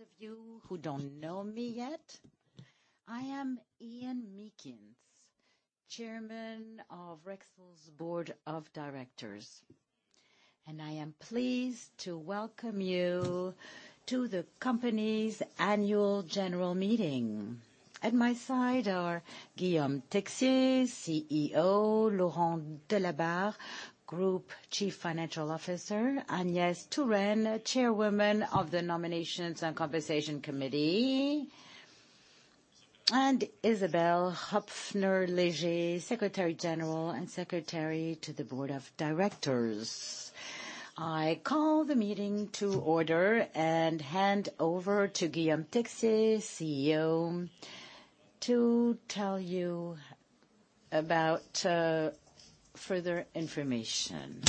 Good morning all. For those of you who don't know me yet, I am Ian Meakins, Chairman of Rexel's Board of Directors, and I am pleased to welcome you to the company's annual general meeting. At my side are Guillaume Texier, CEO, Laurent Delabarre, Group Chief Financial Officer, Agnès Touraine, Chairwoman of the Nominations and Compensation Committee, and Isabelle Hoepfner-Léger, Group General Secretary and Secretary to the Board of Directors. I call the meeting to order and hand over to Guillaume Texier, CEO, to tell you about further information.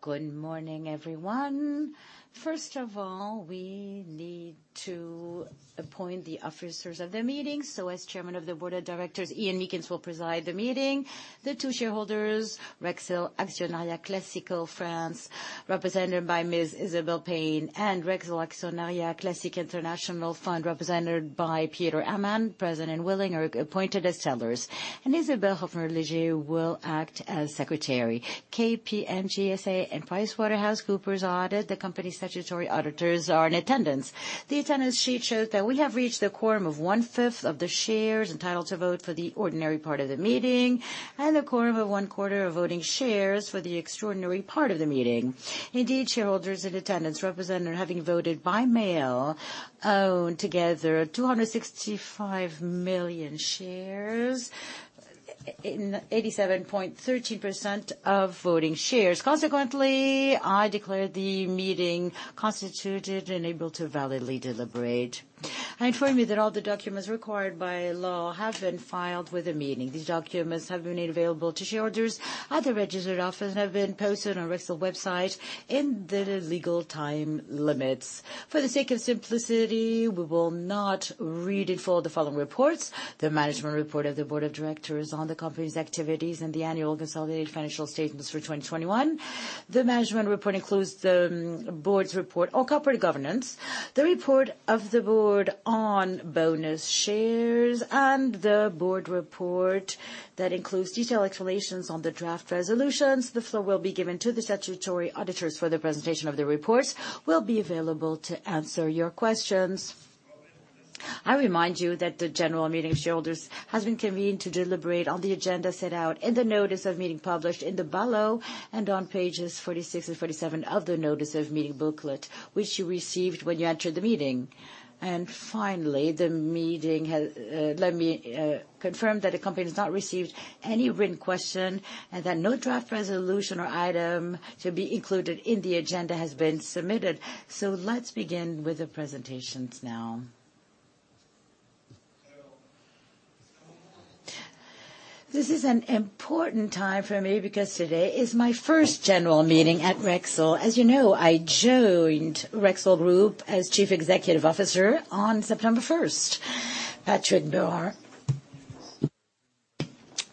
Good morning, everyone. First of all, we need to appoint the officers of the meeting. As Chairman of the Board of Directors, Ian Meakins will preside the meeting. The two shareholders, Rexel Actionnariat Classique France, represented by Ms. Isabelle Payne, and Rexel Actionnariat Classique International, represented by Peter Amman, President Willingur, appointed as tellers. Isabelle Hoepfner-Léger will act as secretary. KPMG SA and PricewaterhouseCoopers Audit, the company's statutory auditors, are in attendance. The attendance sheet shows that we have reached a quorum of one-fifth of the shares entitled to vote for the ordinary part of the meeting, and a quorum of one quarter of voting shares for the extraordinary part of the meeting. Indeed, shareholders in attendance represented having voted by mail own together 265 million shares, 87.13% of voting shares. Consequently, I declare the meeting constituted and able to validly deliberate. I inform you that all the documents required by law have been filed with the meeting. These documents have been made available to shareholders at the registered office and have been posted on Rexel website in the legal time limits. For the sake of simplicity, we will not read in full the following reports. The management report of the Board of Directors on the company's activities and the annual consolidated financial statements for 2021. The management report includes the Board's report on corporate governance, the report of the Board on bonus shares, and the Board report that includes detailed explanations on the draft resolutions. The floor will be given to the statutory auditors for the presentation of the reports. We'll be available to answer your questions. I remind you that the general meeting of shareholders has been convened to deliberate on the agenda set out in the notice of meeting published in the BALO and on pages 46 and 47 of the notice of meeting booklet, which you received when you entered the meeting. Finally, the meeting has. Let me confirm that the company has not received any written question and that no draft resolution or item to be included in the agenda has been submitted. Let's begin with the presentations now. This is an important time for me because today is my first general meeting at Rexel. As you know, I joined Rexel Group as Chief Executive Officer on September 1. Patrick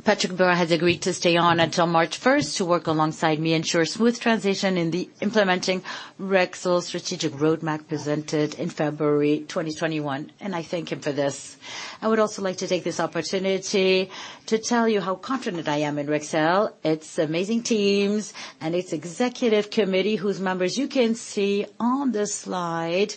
Berard has agreed to stay on until March 1 to work alongside me, ensure smooth transition in the implementing Rexel strategic roadmap presented in February 2021, and I thank him for this. I would also like to take this opportunity to tell you how confident I am in Rexel, its amazing teams, and its executive committee, whose members you can see on the slide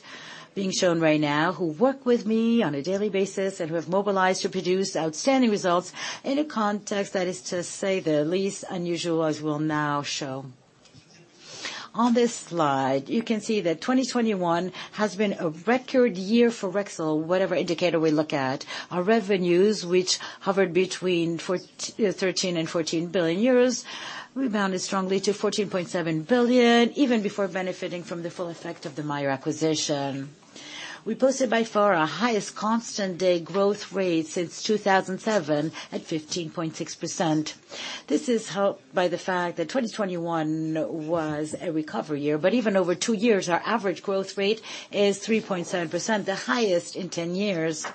being shown right now, who work with me on a daily basis and who have mobilized to produce outstanding results in a context that is to say the least unusual, as we'll now show. On this slide, you can see that 2021 has been a record year for Rexel, whatever indicator we look at. Our revenues, which hovered between 13 billion and 14 billion euros, rebounded strongly to 14.7 billion, even before benefiting from the full effect of the Mayer acquisition. We posted by far our highest constant currency growth rate since 2007, at 15.6%. This is helped by the fact that 2021 was a recovery year. Even over 2 years, our average growth rate is 3.7%, the highest in 10 years.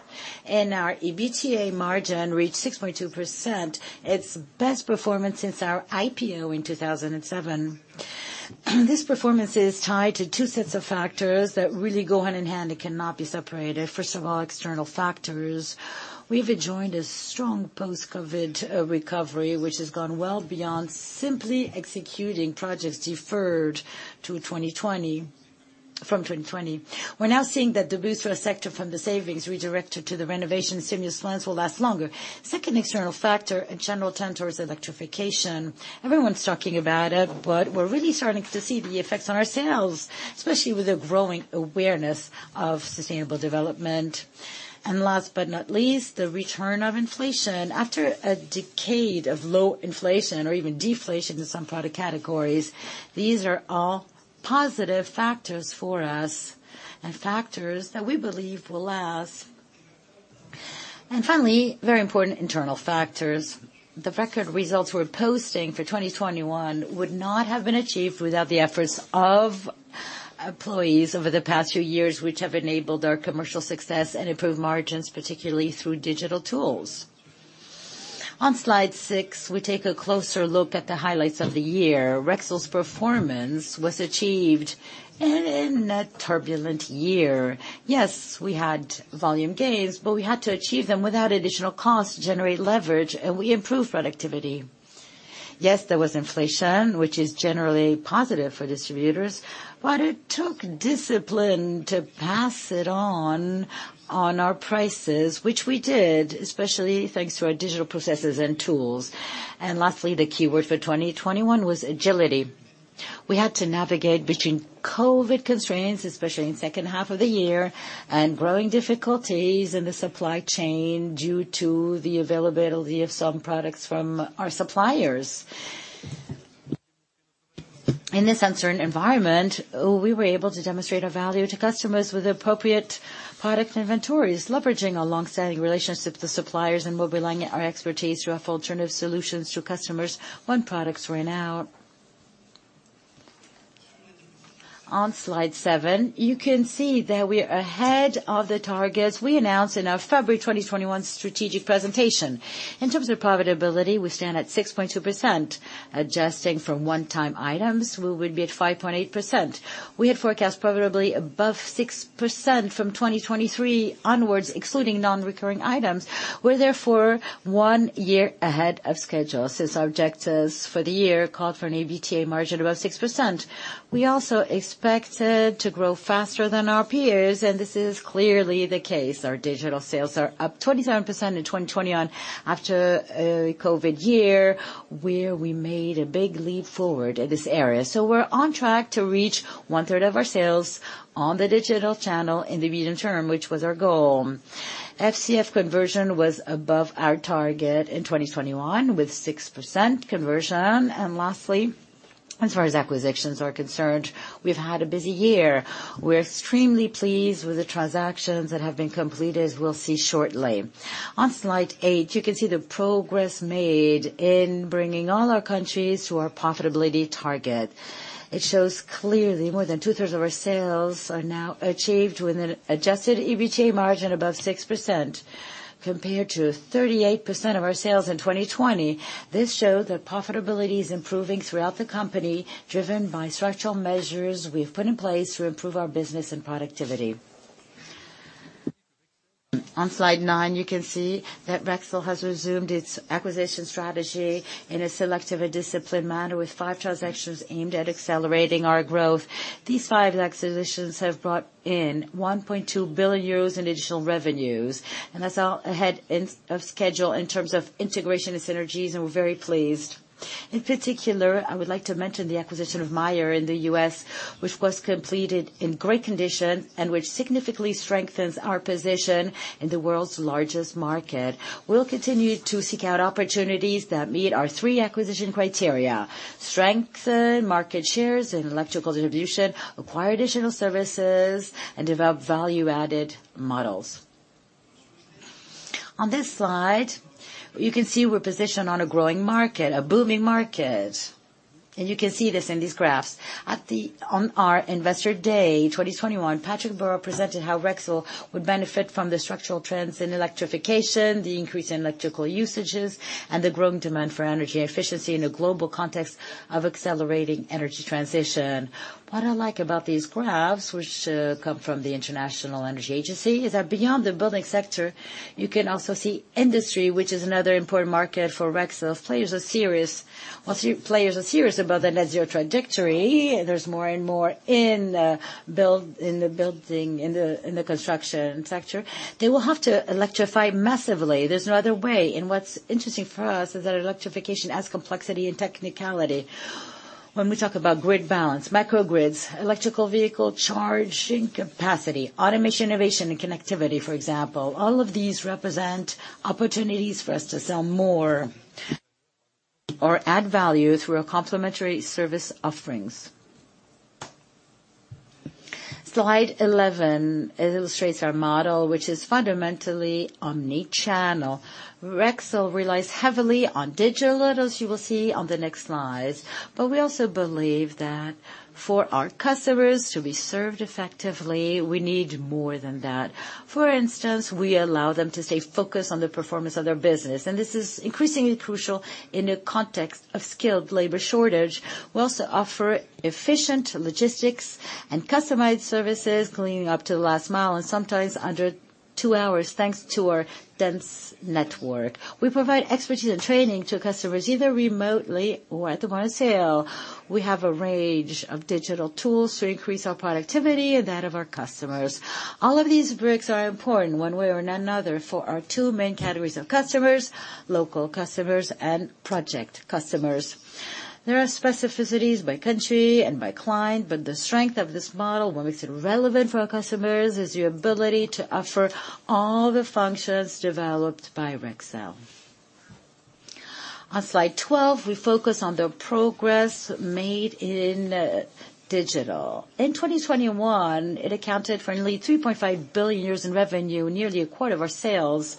Our EBITDA margin reached 6.2%, its best performance since our IPO in 2007. This performance is tied to 2 sets of factors that really go hand in hand and cannot be separated. First of all, external factors. We've enjoyed a strong post-COVID-19 recovery, which has gone well beyond simply executing projects deferred to 2020, from 2020. We're now seeing that the boost for the sector from the savings redirected to the renovation stimulus plans will last longer. Second external factor, a general turn towards electrification. Everyone's talking about it, but we're really starting to see the effects on our sales, especially with the growing awareness of sustainable development. And last but not least, the return of inflation. After a decade of low inflation or even deflation in some product categories, these are all positive factors for us and factors that we believe will last. Finally, very important internal factors. The record results we're posting for 2021 would not have been achieved without the efforts of employees over the past few years, which have enabled our commercial success and improved margins, particularly through digital tools. On slide 6, we take a closer look at the highlights of the year. Rexel's performance was achieved in a turbulent year. Yes, we had volume gains, but we had to achieve them without additional costs to generate leverage, and we improved productivity. Yes, there was inflation, which is generally positive for distributors, but it took discipline to pass it on our prices, which we did, especially thanks to our digital processes and tools. Lastly, the keyword for 2021 was agility. We had to navigate between COVID-19 constraints, especially in second half of the year, and growing difficulties in the supply chain due to the availability of some products from our suppliers. In this uncertain environment, we were able to demonstrate our value to customers with appropriate product inventories, leveraging our long-standing relationships with the suppliers, and mobilizing our expertise through alternative solutions to customers when products ran out. On slide 7, you can see that we are ahead of the targets we announced in our February 2021 strategic presentation. In terms of profitability, we stand at 6.2%. Adjusting for one-time items, we would be at 5.8%. We had forecast probably above 6% from 2023 onwards, excluding non-recurring items. We're therefore one year ahead of schedule since our objectives for the year called for an EBITDA margin above 6%. We also expected to grow faster than our peers, and this is clearly the case. Our digital sales are up 27% in 2021 after a COVID-19 year, where we made a big leap forward in this area. We're on track to reach 1/3 of our sales on the digital channel in the medium term, which was our goal. FCF conversion was above our target in 2021 with 6% conversion. Lastly, as far as acquisitions are concerned, we've had a busy year. We're extremely pleased with the transactions that have been completed, as we'll see shortly. On slide 8, you can see the progress made in bringing all our countries to our profitability target. It shows clearly more than two-thirds of our sales are now achieved with an Adjusted EBITDA margin above 6% compared to 38% of our sales in 2020. This shows that profitability is improving throughout the company, driven by structural measures we've put in place to improve our business and productivity. On slide 9, you can see that Rexel has resumed its acquisition strategy in a selective and disciplined manner with 5 transactions aimed at accelerating our growth. These five acquisitions have brought in 1.2 billion euros in additional revenues, and that's all ahead of schedule in terms of integration and synergies, and we're very pleased. In particular, I would like to mention the acquisition of Mayer in the U.S., which was completed in great condition and which significantly strengthens our position in the world's largest market. We'll continue to seek out opportunities that meet our three acquisition criteria: strengthen market shares in electrical distribution, acquire additional services, and develop value-added models. On this slide, you can see we're positioned on a growing market, a booming market, and you can see this in these graphs. On our Investor Day 2021, Patrick Berard presented how Rexel would benefit from the structural trends in electrification, the increase in electrical usages, and the growing demand for energy efficiency in a global context of accelerating energy transition. What I like about these graphs, which come from the International Energy Agency, is that beyond the building sector, you can also see industry, which is another important market for Rexel. Players are serious. While players are serious about the net zero trajectory, there's more and more in the building, in the construction sector. They will have to electrify massively. There's no other way. What's interesting for us is that electrification adds complexity and technicality. When we talk about grid balance, microgrids, electric vehicle charging capacity, automation, innovation, and connectivity, for example, all of these represent opportunities for us to sell more or add value through our complementary service offerings. Slide 11 illustrates our model, which is fundamentally omnichannel. Rexel relies heavily on digital, as you will see on the next slides. We also believe that for our customers to be served effectively, we need more than that. For instance, we allow them to stay focused on the performance of their business, and this is increasingly crucial in the context of skilled labor shortage. We also offer efficient logistics and customized services right up to the last mile and sometimes under 2 hours, thanks to our dense network. We provide expertise and training to customers either remotely or at the point of sale. We have a range of digital tools to increase our productivity and that of our customers. All of these bricks are important one way or another for our two main categories of customers, local customers and project customers. There are specificities by country and by client, but the strength of this model, what makes it relevant for our customers, is the ability to offer all the functions developed by Rexel. On slide 12, we focus on the progress made in digital. In 2021, it accounted for nearly 3.5 billion euros in revenue, nearly a quarter of our sales.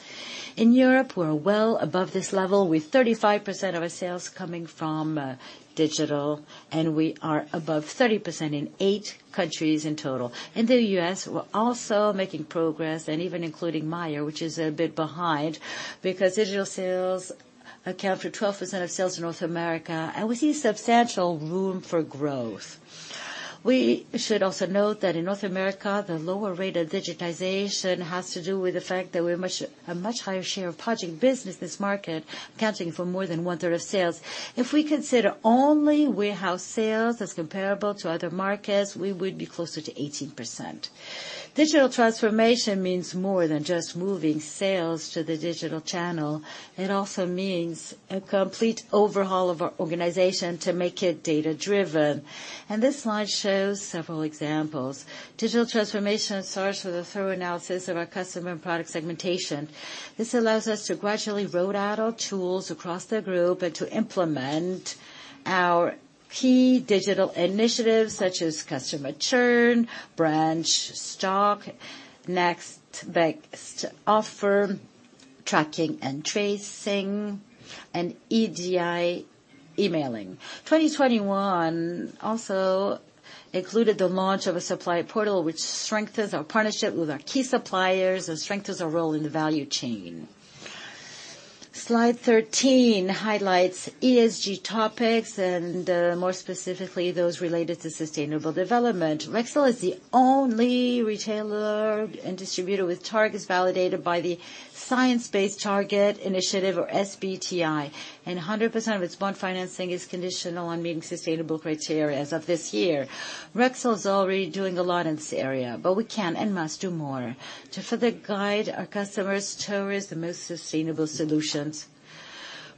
In Europe, we're well above this level, with 35% of our sales coming from digital, and we are above 30% in eight countries in total. In the U.S., we're also making progress and even including Mayer, which is a bit behind because digital sales account for 12% of sales in North America, and we see substantial room for growth. We should also note that in North America, the lower rate of digitization has to do with the fact that a much higher share of project business in this market, accounting for more than 1/3 of sales. If we consider only warehouse sales as comparable to other markets, we would be closer to 18%. Digital transformation means more than just moving sales to the digital channel. It also means a complete overhaul of our organization to make it data-driven. This slide shows several examples. Digital transformation starts with a thorough analysis of our customer and product segmentation. This allows us to gradually roll out our tools across the group and to implement our key digital initiatives such as customer churn, branch stock, next best offer, tracking and tracing, and EDI emailing. 2021 also included the launch of a supplier portal, which strengthens our partnership with our key suppliers and strengthens our role in the value chain. Slide 13 highlights ESG topics and, more specifically, those related to sustainable development. Rexel is the only retailer and distributor with targets validated by the Science Based Targets initiative or SBTI, and 100% of its bond financing is conditional on meeting sustainable criteria as of this year. Rexel is already doing a lot in this area, but we can and must do more to further guide our customers towards the most sustainable solutions.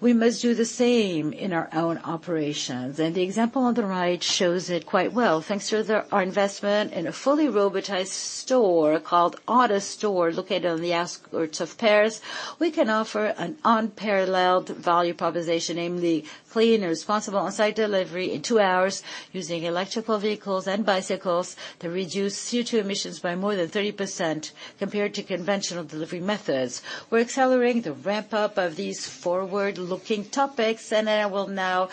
We must do the same in our own operations, and the example on the right shows it quite well. Thanks to our investment in a fully robotized store called AutoStore, located on the outskirts of Paris, we can offer an unparalleled value proposition, namely clean and responsible on-site delivery in two hours using electric vehicles and bicycles to reduce CO2 emissions by more than 30% compared to conventional delivery methods. We're accelerating the ramp-up of these forward-looking topics, and I will now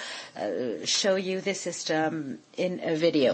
show you the system in a video.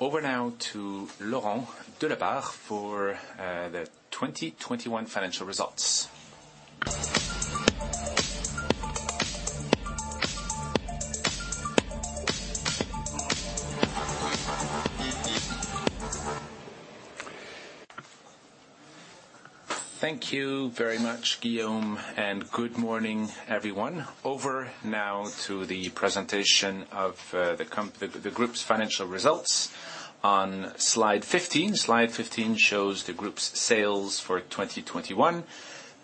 Over now to Laurent Delabarre for the 2021 financial results. Thank you very much, Guillaume, and good morning, everyone. Over now to the presentation of the group's financial results on slide 15. Slide 15 shows the group's sales for 2021,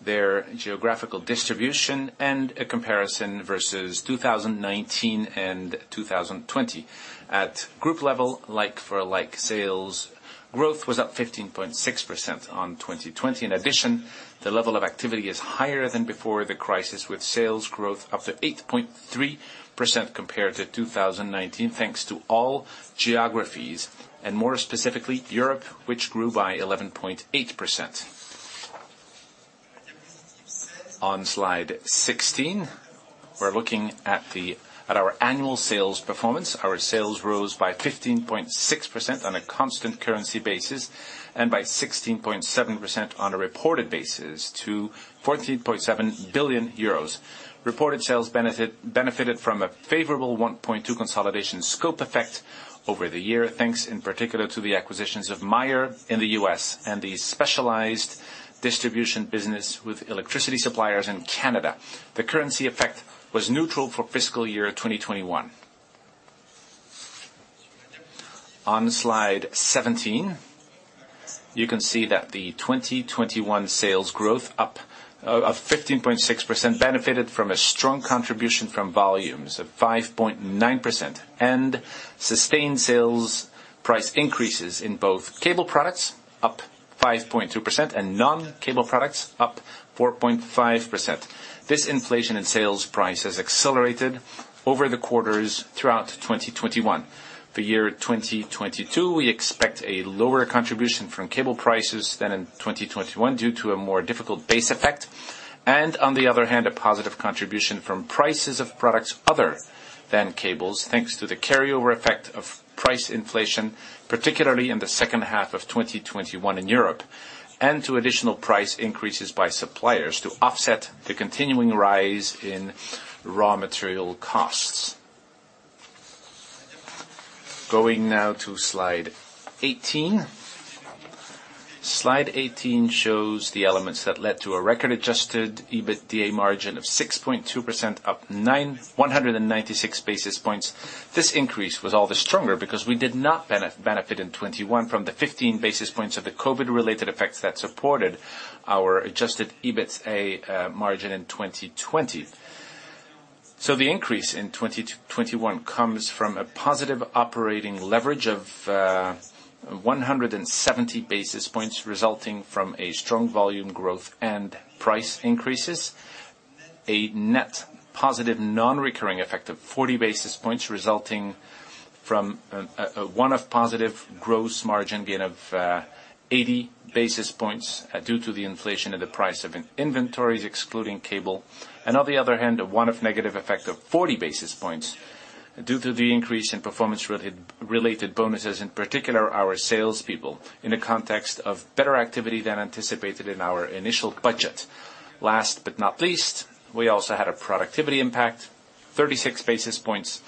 their geographical distribution, and a comparison versus 2019 and 2020. At group level, like for like sales growth was up 15.6% on 2020. In addition, the level of activity is higher than before the crisis, with sales growth up 8.3% compared to 2019, thanks to all geographies and more specifically Europe, which grew by 11.8%. On slide 16, we're looking at our annual sales performance. Our sales rose by 15.6% on a constant currency basis and by 16.7% on a reported basis to 14.7 billion euros. Reported sales benefited from a favorable 1.2 consolidation scope effect over the year, thanks in particular to the acquisitions of Mayer in the U.S. and the specialized distribution business with electricity suppliers in Canada. The currency effect was neutral for fiscal year 2021. On slide 17, you can see that the 2021 sales growth of 15.6% benefited from a strong contribution from volumes of 5.9% and sustained sales price increases in both cable products up 5.2% and non-cable products up 4.5%. This inflation in sales price has accelerated over the quarters throughout 2021. For year 2022, we expect a lower contribution from cable prices than in 2021 due to a more difficult base effect. On the other hand, a positive contribution from prices of products other than cables, thanks to the carryover effect of price inflation, particularly in the second half of 2021 in Europe. To additional price increases by suppliers to offset the continuing rise in raw material costs. Going now to slide 18. Slide 18 shows the elements that led to a record Adjusted EBITDA margin of 6.2%, up one hundred and ninety-six basis points. This increase was all the stronger because we did not benefit in 2021 from the 15 basis points of the COVID related effects that supported our Adjusted EBITDA margin in 2020. The increase in 2021 comes from a positive operating leverage of 170 basis points resulting from a strong volume growth and price increases. A net positive non-recurring effect of 40 basis points resulting from a one-off positive gross margin gain of 80 basis points due to the inflation of the price of inventories excluding cable. On the other hand, a one-off negative effect of 40 basis points due to the increase in performance-related bonuses, in particular, our sales people, in the context of better activity than anticipated in our initial budget. Last but not least, we also had a productivity impact. 36 basis points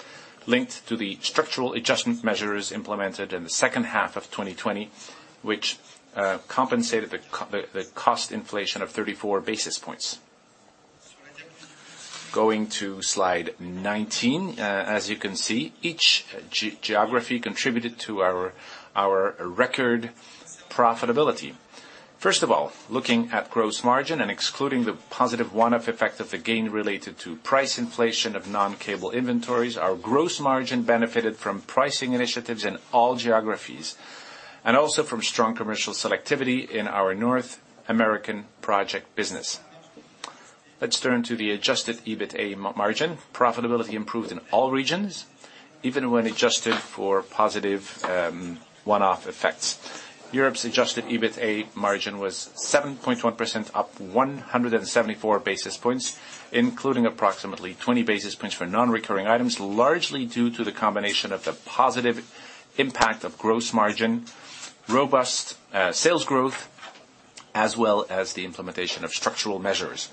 linked to the structural adjustment measures implemented in the second half of 2020, which compensated the cost inflation of 34 basis points. Going to slide 19. As you can see, each geography contributed to our record profitability. First of all, looking at gross margin and excluding the positive one-off effect of the gain related to price inflation of non-cable inventories, our gross margin benefited from pricing initiatives in all geographies. Also from strong commercial selectivity in our North American project business. Let's turn to the Adjusted EBITDA margin. Profitability improved in all regions, even when adjusted for positive one-off effects. Europe's Adjusted EBITDA margin was 7.1%, up 174 basis points, including approximately 20 basis points for non-recurring items, largely due to the combination of the positive impact of gross margin, robust sales growth, as well as the implementation of structural measures.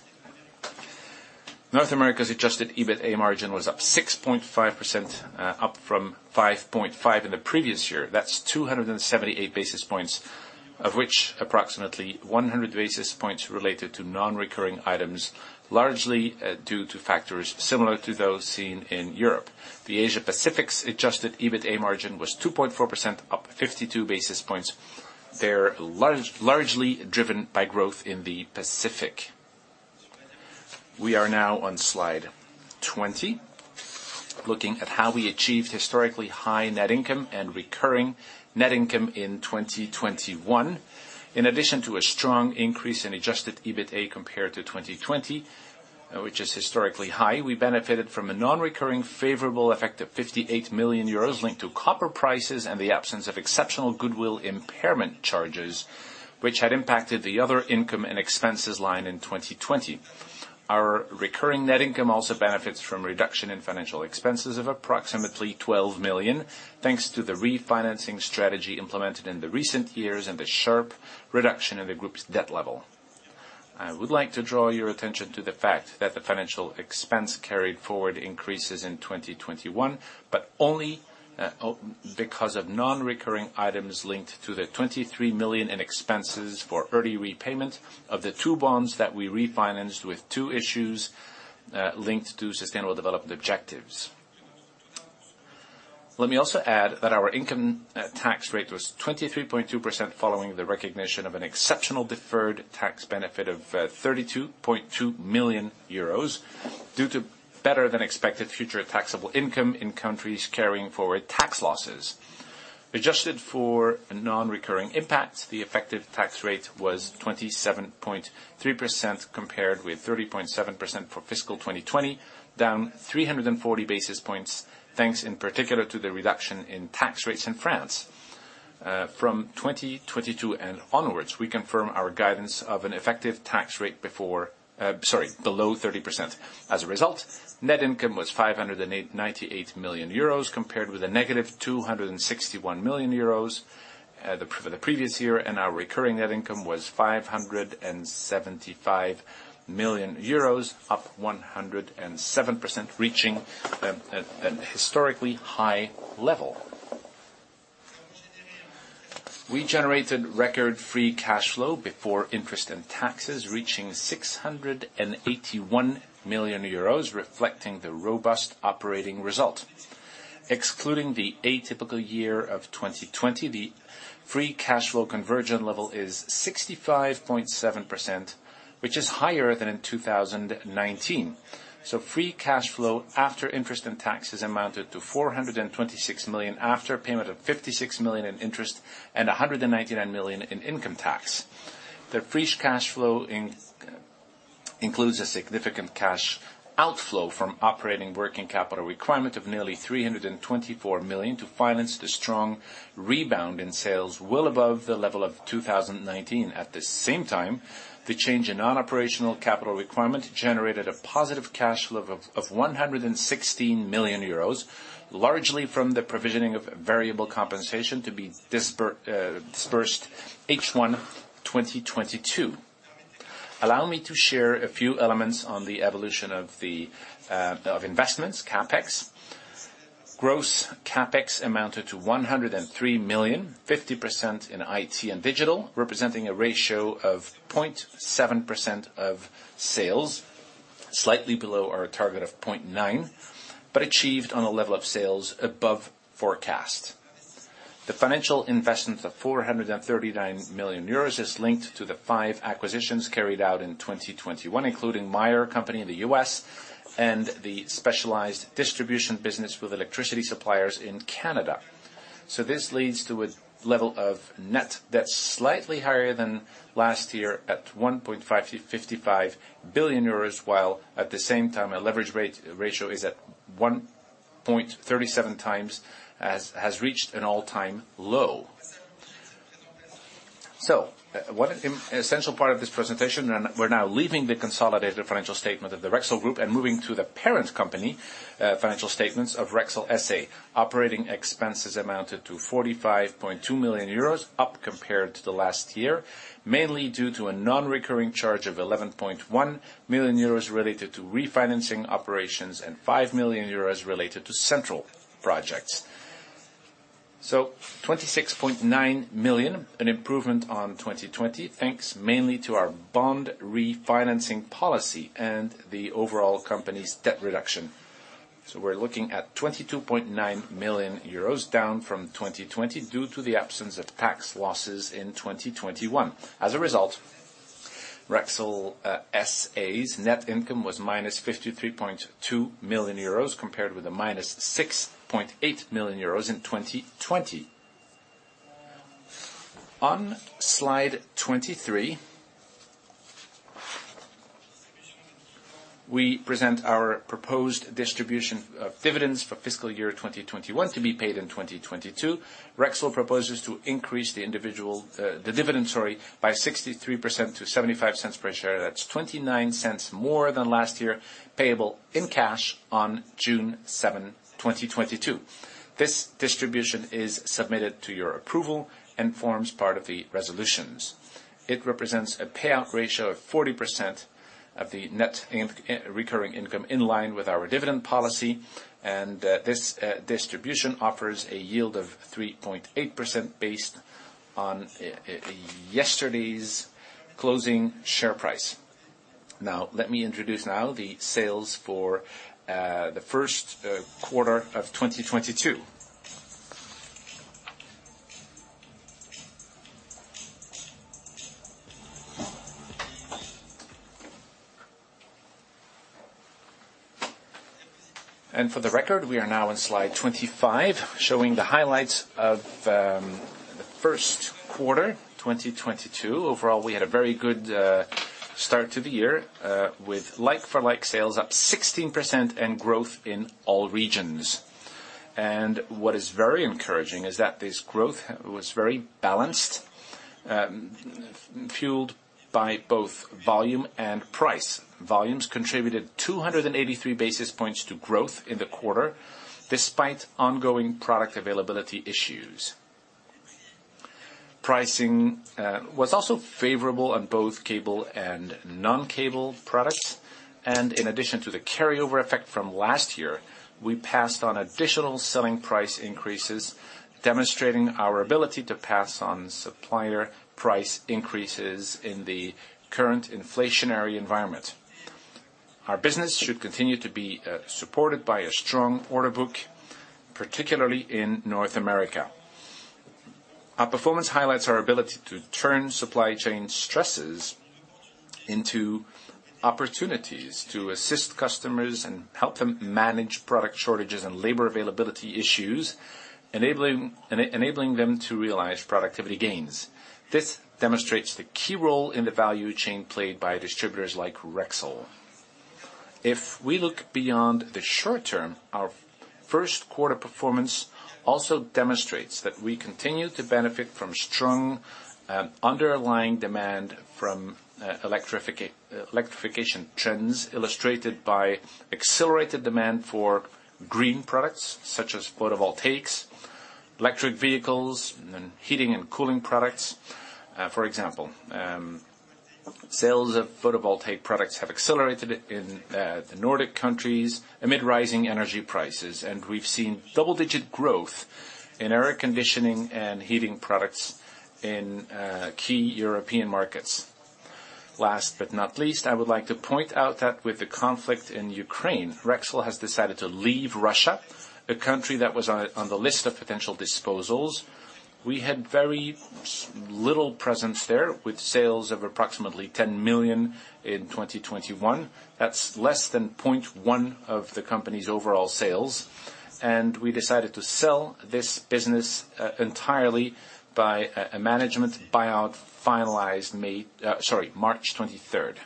North America's Adjusted EBITDA margin was up 6.5%, up from 5.5 in the previous year. That's 278 basis points, of which approximately 100 basis points related to non-recurring items, largely due to factors similar to those seen in Europe. The Asia Pacific's Adjusted EBITDA margin was 2.4%, up 52 basis points. They're largely driven by growth in the Pacific. We are now on slide 20, looking at how we achieved historically high net income and recurring net income in 2021. In addition to a strong increase in Adjusted EBITDA compared to 2020, which is historically high, we benefited from a non-recurring favorable effect of 58 million euros linked to copper prices and the absence of exceptional goodwill impairment charges, which had impacted the other income and expenses line in 2020. Our recurring net income also benefits from reduction in financial expenses of approximately 12 million, thanks to the refinancing strategy implemented in the recent years and the sharp reduction in the group's debt level. I would like to draw your attention to the fact that the financial expense carried forward increases in 2021, but only because of non-recurring items linked to the 23 million in expenses for early repayment of the two bonds that we refinanced with two issues linked to sustainable development objectives. Let me also add that our income tax rate was 23.2% following the recognition of an exceptional deferred tax benefit of 32.2 million euros due to better-than-expected future taxable income in countries carrying forward tax losses. Adjusted for non-recurring impacts, the effective tax rate was 27.3% compared with 30.7% for fiscal 2020, down 340 basis points, thanks in particular to the reduction in tax rates in France. From 2022 and onwards, we confirm our guidance of an effective tax rate below 30%. As a result, net income was 589 million euros compared with a negative 261 million euros for the previous year, and our recurring net income was 575 million euros, up 107%, reaching a historically high level. We generated record free cash flow before interest and taxes, reaching 681 million euros, reflecting the robust operating result. Excluding the atypical year of 2020, the free cash flow conversion level is 65.7%, which is higher than in 2019. Free cash flow after interest and taxes amounted to 426 million after payment of 56 million in interest and 199 million in income tax. The free cash flow includes a significant cash outflow from operating working capital requirement of nearly 324 million to finance the strong rebound in sales well above the level of 2019. At the same time, the change in non-operational capital requirement generated a positive cash flow of 116 million euros, largely from the provisioning of variable compensation to be dispersed H1 2022. Allow me to share a few elements on the evolution of investments, CapEx. Gross CapEx amounted to 103 million, 50% in IT and digital, representing a ratio of 0.7% of sales, slightly below our target of 0.9%, but achieved on a level of sales above forecast. The financial investment of 439 million euros is linked to the 5 acquisitions carried out in 2021, including Mayer in the U.S. and the specialized distribution business with electricity suppliers in Canada. This leads to a level of net that's slightly higher than last year at 1.55 billion euros, while at the same time, our leverage ratio is at 1.37 times, has reached an all-time low. One essential part of this presentation, and we're now leaving the consolidated financial statement of the Rexel group and moving to the parent company financial statements of Rexel S.A. Operating expenses amounted to 45.2 million euros, up compared to the last year, mainly due to a non-recurring charge of 11.1 million euros related to refinancing operations and 5 million euros related to central projects. 26.9 million, an improvement on 2020, thanks mainly to our bond refinancing policy and the overall company's debt reduction. We're looking at 22.9 million euros down from 2020 due to the absence of tax losses in 2021. As a result, Rexel S.A.'s net income was -53.2 million euros, compared with -6.8 million euros in 2020. On slide 23, we present our proposed distribution of dividends for fiscal year 2021 to be paid in 2022. Rexel proposes to increase the dividend by 63% to 0.75 per share. That's 0.29 more than last year, payable in cash on June 7, 2022. This distribution is submitted to your approval and forms part of the resolutions. It represents a payout ratio of 40% of the net recurring income in line with our dividend policy. This distribution offers a yield of 3.8% based on yesterday's closing share price. Now, let me introduce the sales for the first quarter of 2022. For the record, we are now on slide 25, showing the highlights of the first quarter, 2022. Overall, we had a very good start to the year with like-for-like sales up 16% and growth in all regions. What is very encouraging is that this growth was very balanced, fueled by both volume and price. Volumes contributed 283 basis points to growth in the quarter, despite ongoing product availability issues. Pricing was also favorable on both cable and non-cable products. In addition to the carryover effect from last year, we passed on additional selling price increases, demonstrating our ability to pass on supplier price increases in the current inflationary environment. Our business should continue to be supported by a strong order book, particularly in North America. Our performance highlights our ability to turn supply chain stresses into opportunities to assist customers and help them manage product shortages and labor availability issues, enabling them to realize productivity gains. This demonstrates the key role in the value chain played by distributors like Rexel. If we look beyond the short term, our first quarter performance also demonstrates that we continue to benefit from strong underlying demand from electrification trends, illustrated by accelerated demand for green products such as photovoltaics, electric vehicles, and heating and cooling products, for example. Sales of photovoltaic products have accelerated in the Nordic countries amid rising energy prices. We've seen double-digit growth in air conditioning and heating products in key European markets. Last but not least, I would like to point out that with the conflict in Ukraine, Rexel has decided to leave Russia, a country that was on the list of potential disposals. We had very little presence there with sales of approximately 10 million in 2021. That's less than 0.1% of the company's overall sales. We decided to sell this business entirely by a management buyout finalized March twenty-third.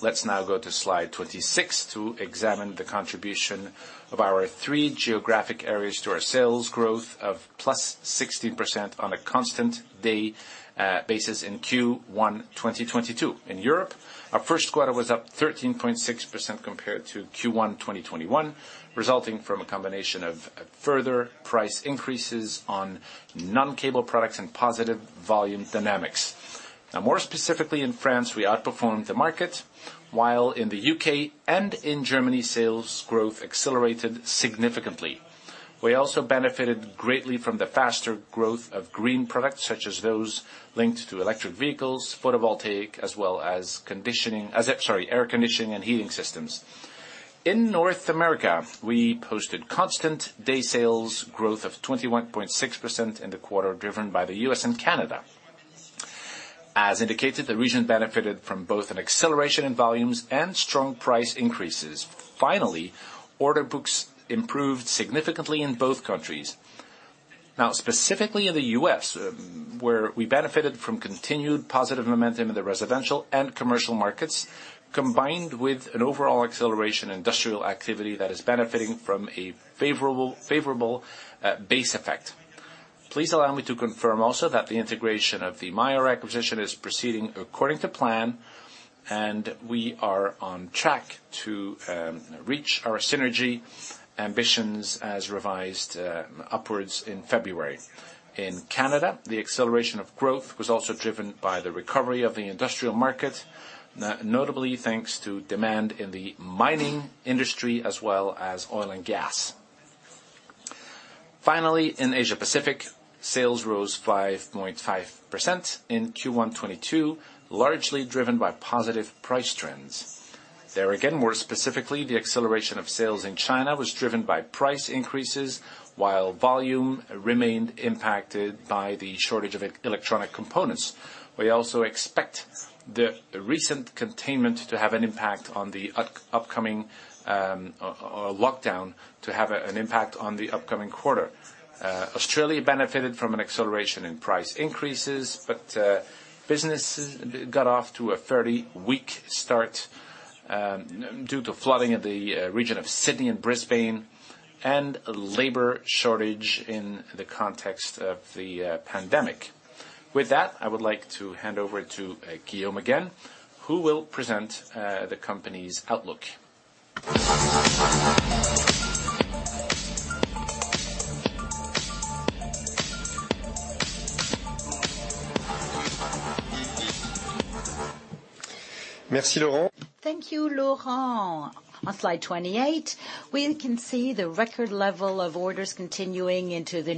Let's now go to slide 26 to examine the contribution of our three geographic areas to our sales growth of +60% on a constant basis in Q1 2022. In Europe, our first quarter was up 13.6% compared to Q1 2021, resulting from a combination of further price increases on non-cable products and positive volume dynamics. Now more specifically in France, we outperformed the market while in the U.K. and in Germany, sales growth accelerated significantly. We also benefited greatly from the faster growth of green products, such as those linked to electric vehicles, photovoltaic, as well as air conditioning and heating systems. In North America, we posted constant day sales growth of 21.6% in the quarter, driven by the U.S. and Canada. As indicated, the region benefited from both an acceleration in volumes and strong price increases. Finally, order books improved significantly in both countries. Now, specifically in the U.S., where we benefited from continued positive momentum in the residential and commercial markets, combined with an overall acceleration in industrial activity that is benefiting from a favorable base effect. Please allow me to confirm also that the integration of the Mayer acquisition is proceeding according to plan, and we are on track to reach our synergy ambitions as revised upwards in February. In Canada, the acceleration of growth was also driven by the recovery of the industrial market. Notably, thanks to demand in the mining industry, as well as oil and gas. Finally, in Asia Pacific, sales rose 5.5% in Q1 2022, largely driven by positive price trends. There again, more specifically, the acceleration of sales in China was driven by price increases, while volume remained impacted by the shortage of e-electronic components. We also expect the recent containment or lockdown to have an impact on the upcoming quarter. Australia benefited from an acceleration in price increases, but business got off to a fairly weak start due to flooding in the region of Sydney and Brisbane and a labor shortage in the context of the pandemic. With that, I would like to hand over to Guillaume again, who will present the company's outlook. Merci, Laurent. Thank you, Laurent. On slide 28, we can see the record level of orders continuing into the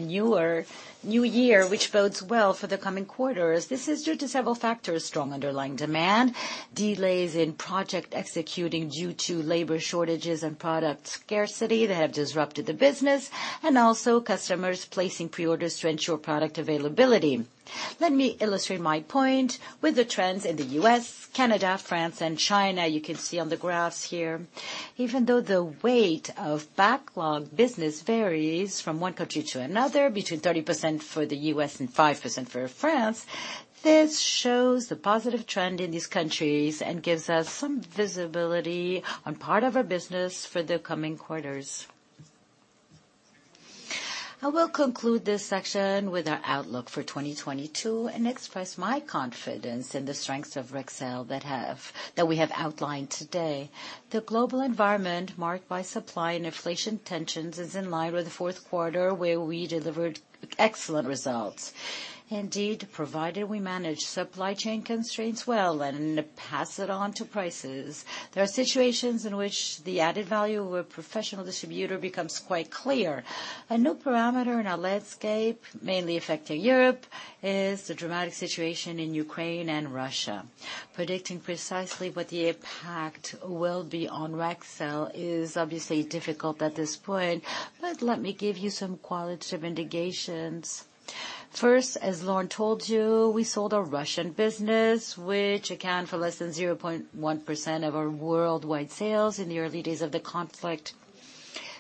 new year, which bodes well for the coming quarters. This is due to several factors, strong underlying demand, delays in project executing due to labor shortages and product scarcity that have disrupted the business, and also customers placing preorders to ensure product availability. Let me illustrate my point with the trends in the U.S., Canada, France, and China. You can see on the graphs here. Even though the weight of backlog business varies from one country to another, between 30% for the U.S. and 5% for France, this shows the positive trend in these countries and gives us some visibility on part of our business for the coming quarters. I will conclude this section with our outlook for 2022 and express my confidence in the strengths of Rexel that we have outlined today. The global environment marked by supply and inflation tensions is in line with the fourth quarter, where we delivered excellent results. Indeed, provided we manage supply chain constraints well and pass it on to prices, there are situations in which the added value of a professional distributor becomes quite clear. A new parameter in our landscape, mainly affecting Europe, is the dramatic situation in Ukraine and Russia. Predicting precisely what the impact will be on Rexel is obviously difficult at this point, but let me give you some qualitative indications. First, as Laurent told you, we sold our Russian business, which account for less than 0.1% of our worldwide sales in the early days of the conflict.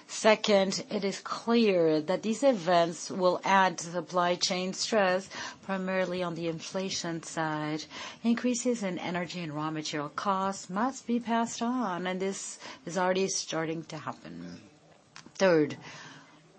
Second, it is clear that these events will add to supply chain stress, primarily on the inflation side. Increases in energy and raw material costs must be passed on, and this is already starting to happen. Third,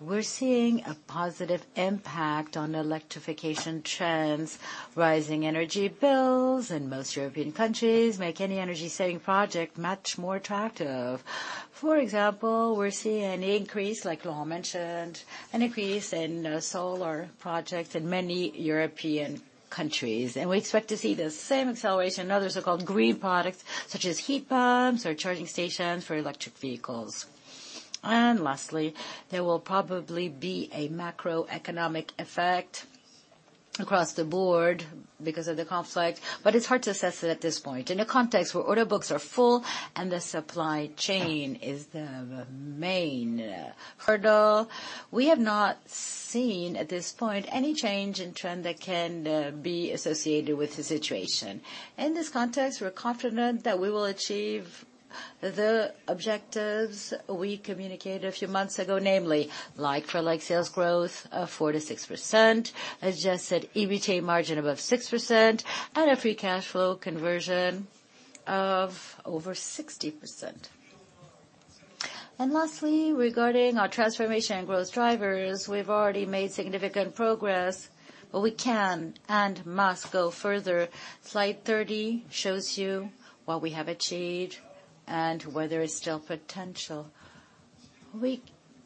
we're seeing a positive impact on electrification trends. Rising energy bills in most European countries make any energy-saving project much more attractive. For example, we're seeing an increase, like Laurent mentioned, in solar projects in many European countries, and we expect to see the same acceleration in other so-called green products, such as heat pumps or charging stations for electric vehicles. Lastly, there will probably be a macroeconomic effect across the board because of the conflict, but it's hard to assess it at this point. In a context where order books are full and the supply chain is the main hurdle, we have not seen, at this point, any change in trend that can be associated with the situation. In this context, we're confident that we will achieve the objectives we communicated a few months ago. Namely, like-for-like sales growth of 4%-6%, as Jeff said, EBITDA margin above 6%, and a free cash flow conversion of over 60%. Lastly, regarding our transformation and growth drivers, we've already made significant progress, but we can and must go further. Slide 30 shows you what we have achieved and where there is still potential. We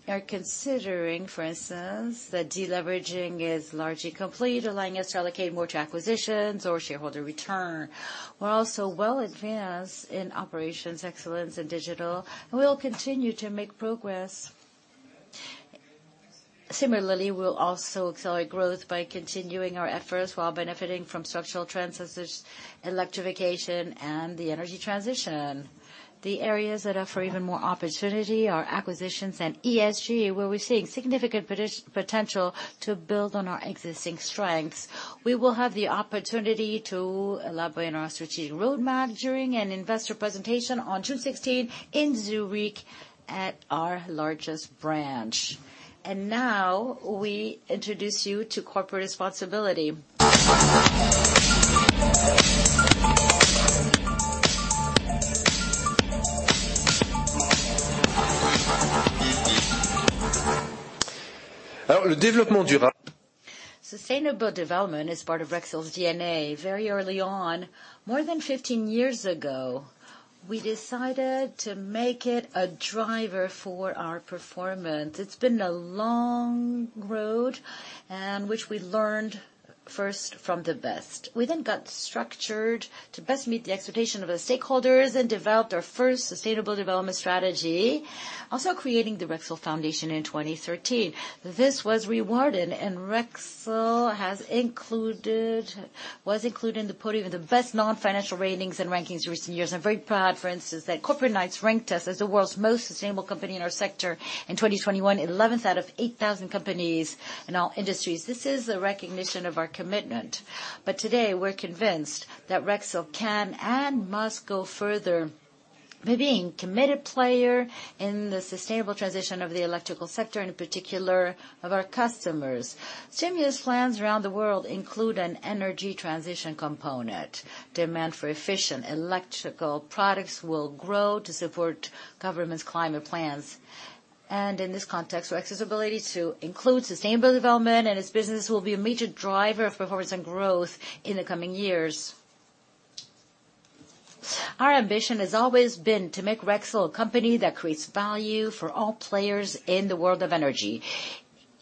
are considering, for instance, that deleveraging is largely complete, allowing us to allocate more to acquisitions or shareholder return. We're also well advanced in operations excellence and digital, and we will continue to make progress. Similarly, we'll also accelerate growth by continuing our efforts while benefiting from structural trends such as electrification and the energy transition. The areas that offer even more opportunity are acquisitions and ESG, where we're seeing significant potential to build on our existing strengths. We will have the opportunity to elaborate on our strategic roadmap during an investor presentation on June 16 in Zurich at our largest branch. Now we introduce you to corporate responsibility. Sustainable development is part of Rexel's DNA. Very early on, more than 15 years ago, we decided to make it a driver for our performance. It's been a long road, in which we learned first from the best. We then got structured to best meet the expectation of the stakeholders and developed our first sustainable development strategy, also creating the Rexel Foundation in 2013. This was rewarded, and Rexel has included... was included in the podium of the best non-financial ratings and rankings in recent years. I'm very proud, for instance, that Corporate Knights ranked us as the world's most sustainable company in our sector in 2021, 11th out of 8,000 companies in all industries. This is a recognition of our commitment. Today, we're convinced that Rexel can and must go further by being a committed player in the sustainable transition of the electrical sector, and in particular, of our customers. Stimulus plans around the world include an energy transition component. Demand for efficient electrical products will grow to support governments' climate plans. In this context, Rexel's ability to include sustainable development in its business will be a major driver of performance and growth in the coming years. Our ambition has always been to make Rexel a company that creates value for all players in the world of energy.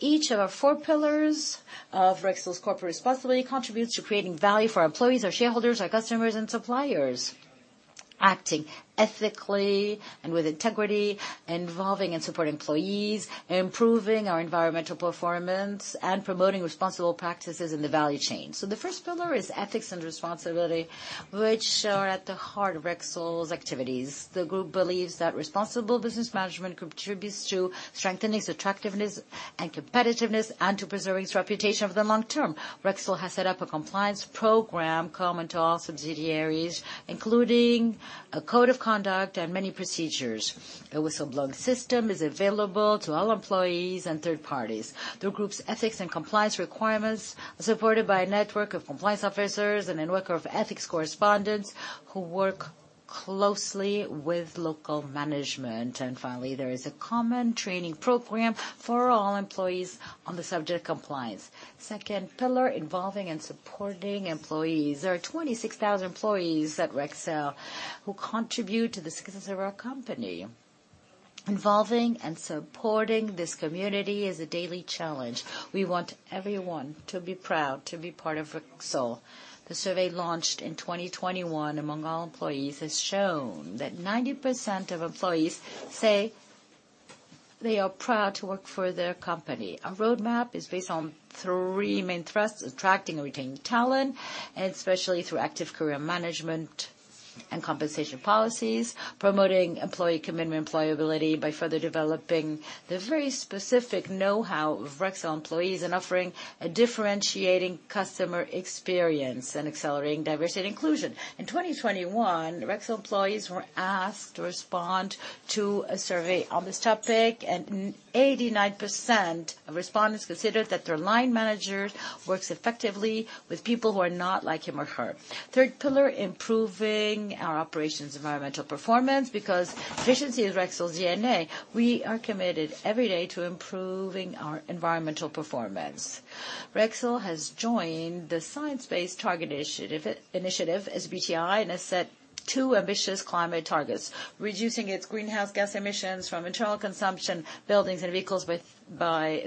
Each of our four pillars of Rexel's corporate responsibility contributes to creating value for our employees, our shareholders, our customers, and suppliers, acting ethically and with integrity, involving and supporting employees, improving our environmental performance, and promoting responsible practices in the value chain. The first pillar is ethics and responsibility, which are at the heart of Rexel's activities. The group believes that responsible business management contributes to strengthening its attractiveness and competitiveness and to preserving its reputation over the long-term. Rexel has set up a compliance program common to all subsidiaries, including a code of conduct and many procedures. The whistleblowing system is available to all employees and third parties. The group's ethics and compliance requirements are supported by a network of compliance officers and a network of ethics correspondents who work closely with local management. Finally, there is a common training program for all employees on the subject of compliance. Second pillar, involving and supporting employees. There are 26,000 employees at Rexel who contribute to the success of our company. Involving and supporting this community is a daily challenge. We want everyone to be proud to be part of Rexel. The survey launched in 2021 among all employees has shown that 90% of employees say they are proud to work for their company. Our roadmap is based on three main thrusts: attracting and retaining talent, and especially through active career management. Compensation policies, promoting employee commitment employability by further developing the very specific know-how of Rexel employees and offering a differentiating customer experience and accelerating diversity and inclusion. In 2021, Rexel employees were asked to respond to a survey on this topic, and 89% of respondents considered that their line manager works effectively with people who are not like him or her. Third pillar, improving our operational environmental performance because efficiency is Rexel's DNA. We are committed every day to improving our environmental performance. Rexel has joined the Science Based Targets initiative, SBTI, and has set two ambitious climate targets, reducing its greenhouse gas emissions from internal consumption, buildings, and vehicles by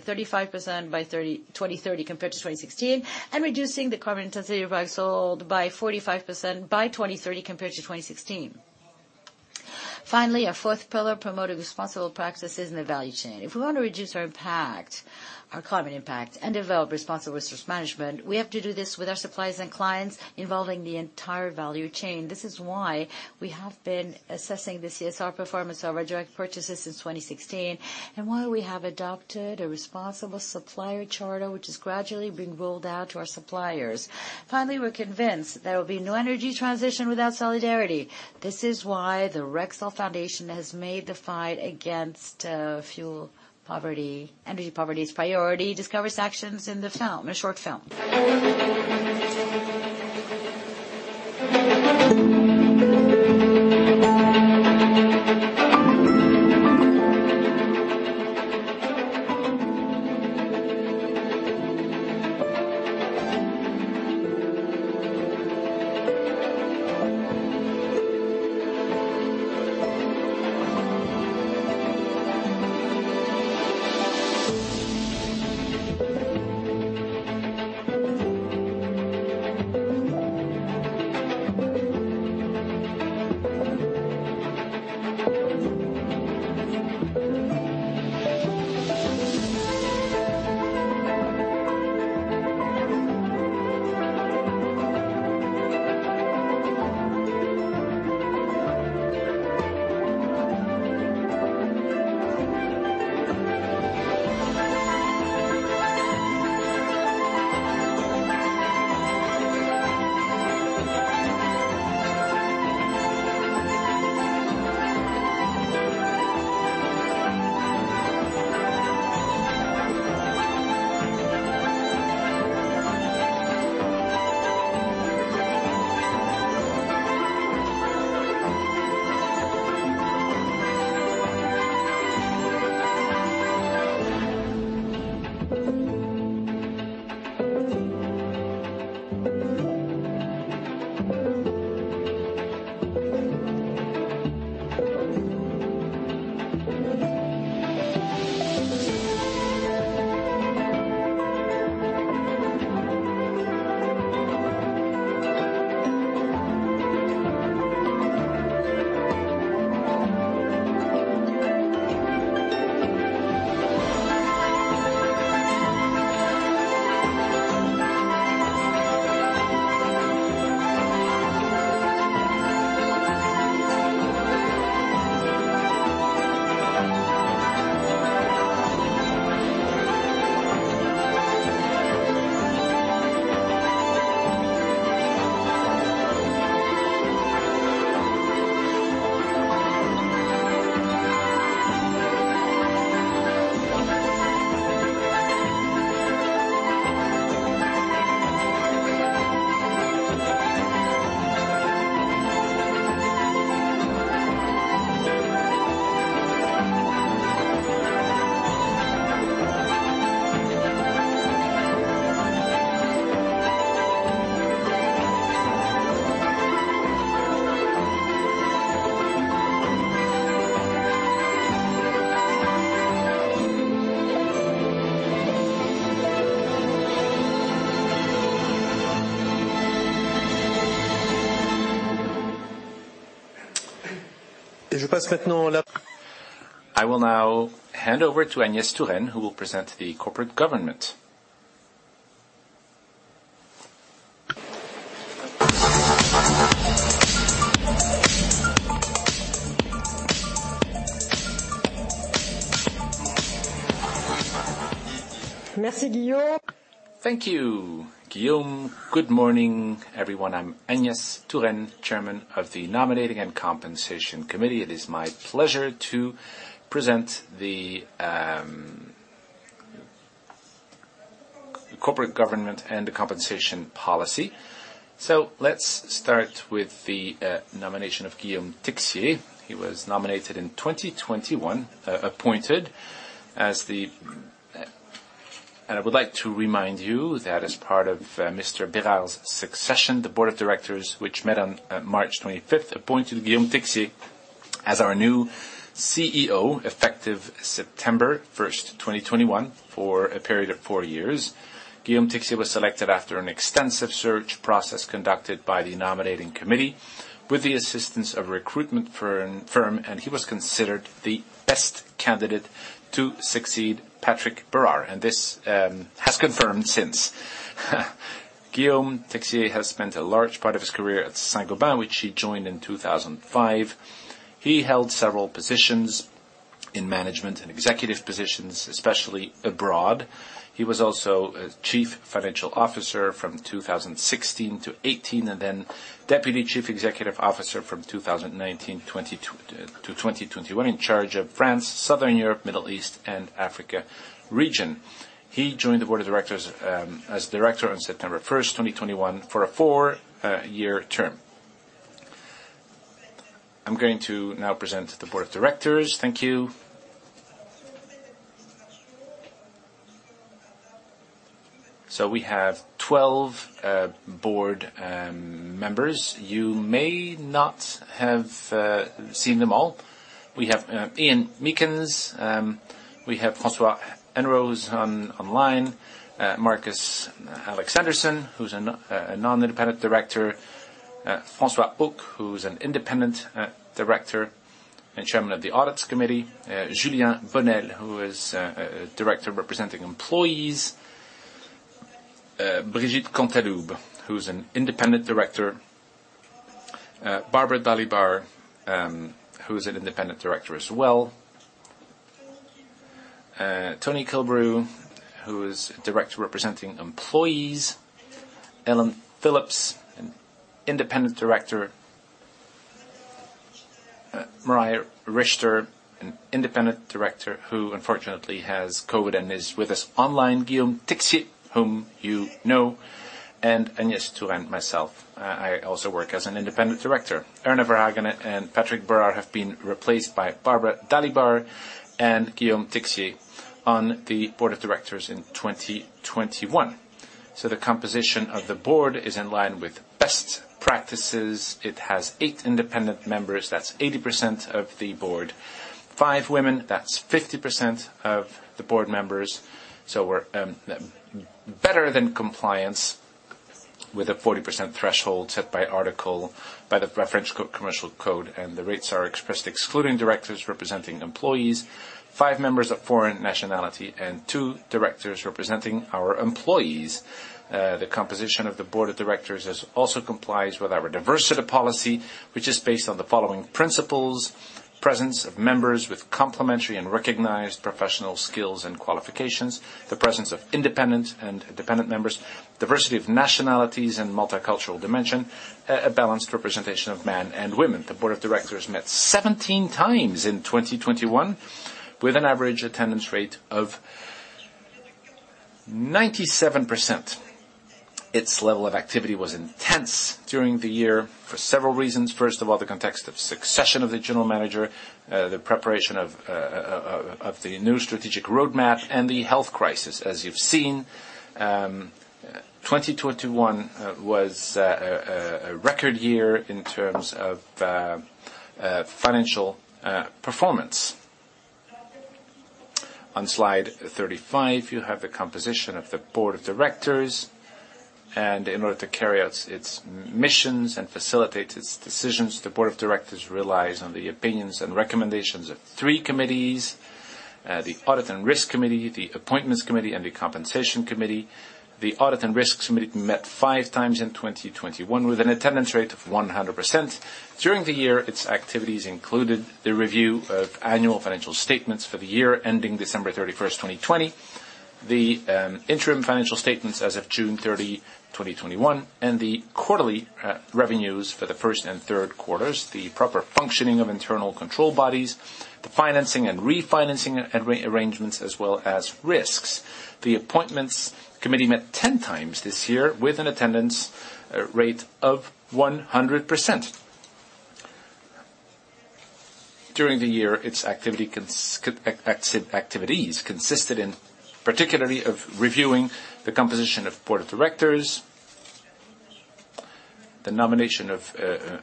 35% by 2030 compared to 2016, and reducing the carbon intensity of Rexel by 45% by 2030 compared to 2016. Finally, our fourth pillar, promoting responsible practices in the value chain. If we want to reduce our impact, our carbon impact, and develop responsible resource management, we have to do this with our suppliers and clients involving the entire value chain. This is why we have been assessing the CSR performance of our direct purchases since 2016, and why we have adopted a responsible supplier charter, which is gradually being rolled out to our suppliers. Finally, we're convinced there will be no energy transition without solidarity. This is why the Rexel Foundation has made the fight against fuel poverty, energy poverty its priority. Discover sections in the film, a short film. I will now hand over to Agnès Touraine, who will present the corporate governance. Merci, Guillaume. Thank you, Guillaume. Good morning, everyone. I'm Agnès Touraine, Chairman of the Nominating and Compensation Committee. It is my pleasure to present the corporate governance and the compensation policy. Let's start with the nomination of Guillaume Texier. He was nominated in 2021 appointed as the I would like to remind you that as part of Patrick Berard's succession, the board of directors, which met on March 25, appointed Guillaume Texier as our new CEO, effective September 1, 2021 for a period of four years. Guillaume Texier was selected after an extensive search process conducted by the nominating committee with the assistance of recruitment firm, and he was considered the best candidate to succeed Patrick Berard, and this has confirmed since. Guillaume Texier has spent a large part of his career at Saint-Gobain, which he joined in 2005. He held several positions In management and executive positions, especially abroad. He was also Chief Financial Officer from 2016 to 2018, and then Deputy Chief Executive Officer from 2019 to 2021, in charge of France, Southern Europe, Middle East, and Africa region. He joined the board of directors as director on September 1, 2021 for a 4-year term. I'm going to now present the board of directors. Thank you. We have 12 board members. You may not have seen them all. We have Ian Meakins, we have François Henrot online. Marcus Alexanderson, who's a non-independent director. François Auqué who's an independent director and Chairman of the Audit and Risk Committee. Julien Bonnel, who is a director representing employees. Brigitte Cantaloube, who's an independent director. Barbara Dalibard, who is an independent director as well. Toni Killebrew, who is Director representing employees. Elen Phillips, an Independent Director. Maria Richter, an Independent Director who unfortunately has COVID and is with us online. Guillaume Texier, whom you know, and Agnès Touraine, myself, I also work as an Independent Director. Herna Verhagen and Patrick Berard have been replaced by Barbara Dalibard and Guillaume Texier on the Board of Directors in 2021. The composition of the Board is in line with best practices. It has eight independent members, that's 80% of the Board. Five women, that's 50% of the Board members. We're better than compliance with a 40% threshold set by Article of the French Commercial Code, and the rates are expressed excluding Directors representing employees, five members of foreign nationality, and two Directors representing our employees. The composition of the Board of Directors also complies with our diversity policy, which is based on the following principles, presence of members with complementary and recognized professional skills and qualifications, the presence of independent and dependent members, diversity of nationalities and multicultural dimension, a balanced representation of men and women. The Board of Directors met 17 times in 2021 with an average attendance rate of 97%. Its level of activity was intense during the year for several reasons. First of all, the context of succession of the general manager, the preparation of the new strategic roadmap, and the health crisis. As you've seen, 2021 was a record year in terms of financial performance. On slide 35, you have the composition of the Board of Directors. In order to carry out its missions and facilitate its decisions, the Board of Directors relies on the opinions and recommendations of three committees, the Audit and Risk Committee, the Appointments Committee, and the Compensation Committee. The Audit and Risk Committee met 5 times in 2021 with an attendance rate of 100%. During the year, its activities included the review of annual financial statements for the year ending December 31, 2020. The interim financial statements as of June 30, 2021, and the quarterly revenues for the first and third quarters, the proper functioning of internal control bodies, the financing and refinancing arrangements, as well as risks. The Appointments Committee met 10 times this year with an attendance rate of 100%. During the year, its activities consisted particularly of reviewing the composition of Board of Directors, the nomination of the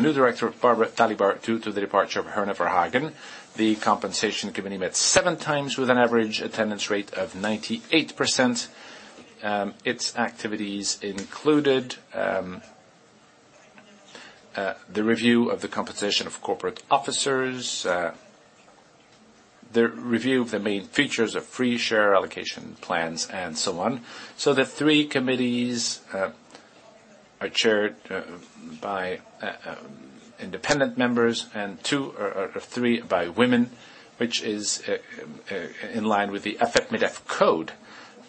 new director, Barbara Dalibard, due to the departure of Herna Verhagen. The Compensation Committee met seven times with an average attendance rate of 98%. Its activities included the review of the compensation of corporate officers, the review of the main features of free share allocation plans, and so on. The three committees are chaired by independent members and two or three by women, which is in line with the AFEP-MEDEF code.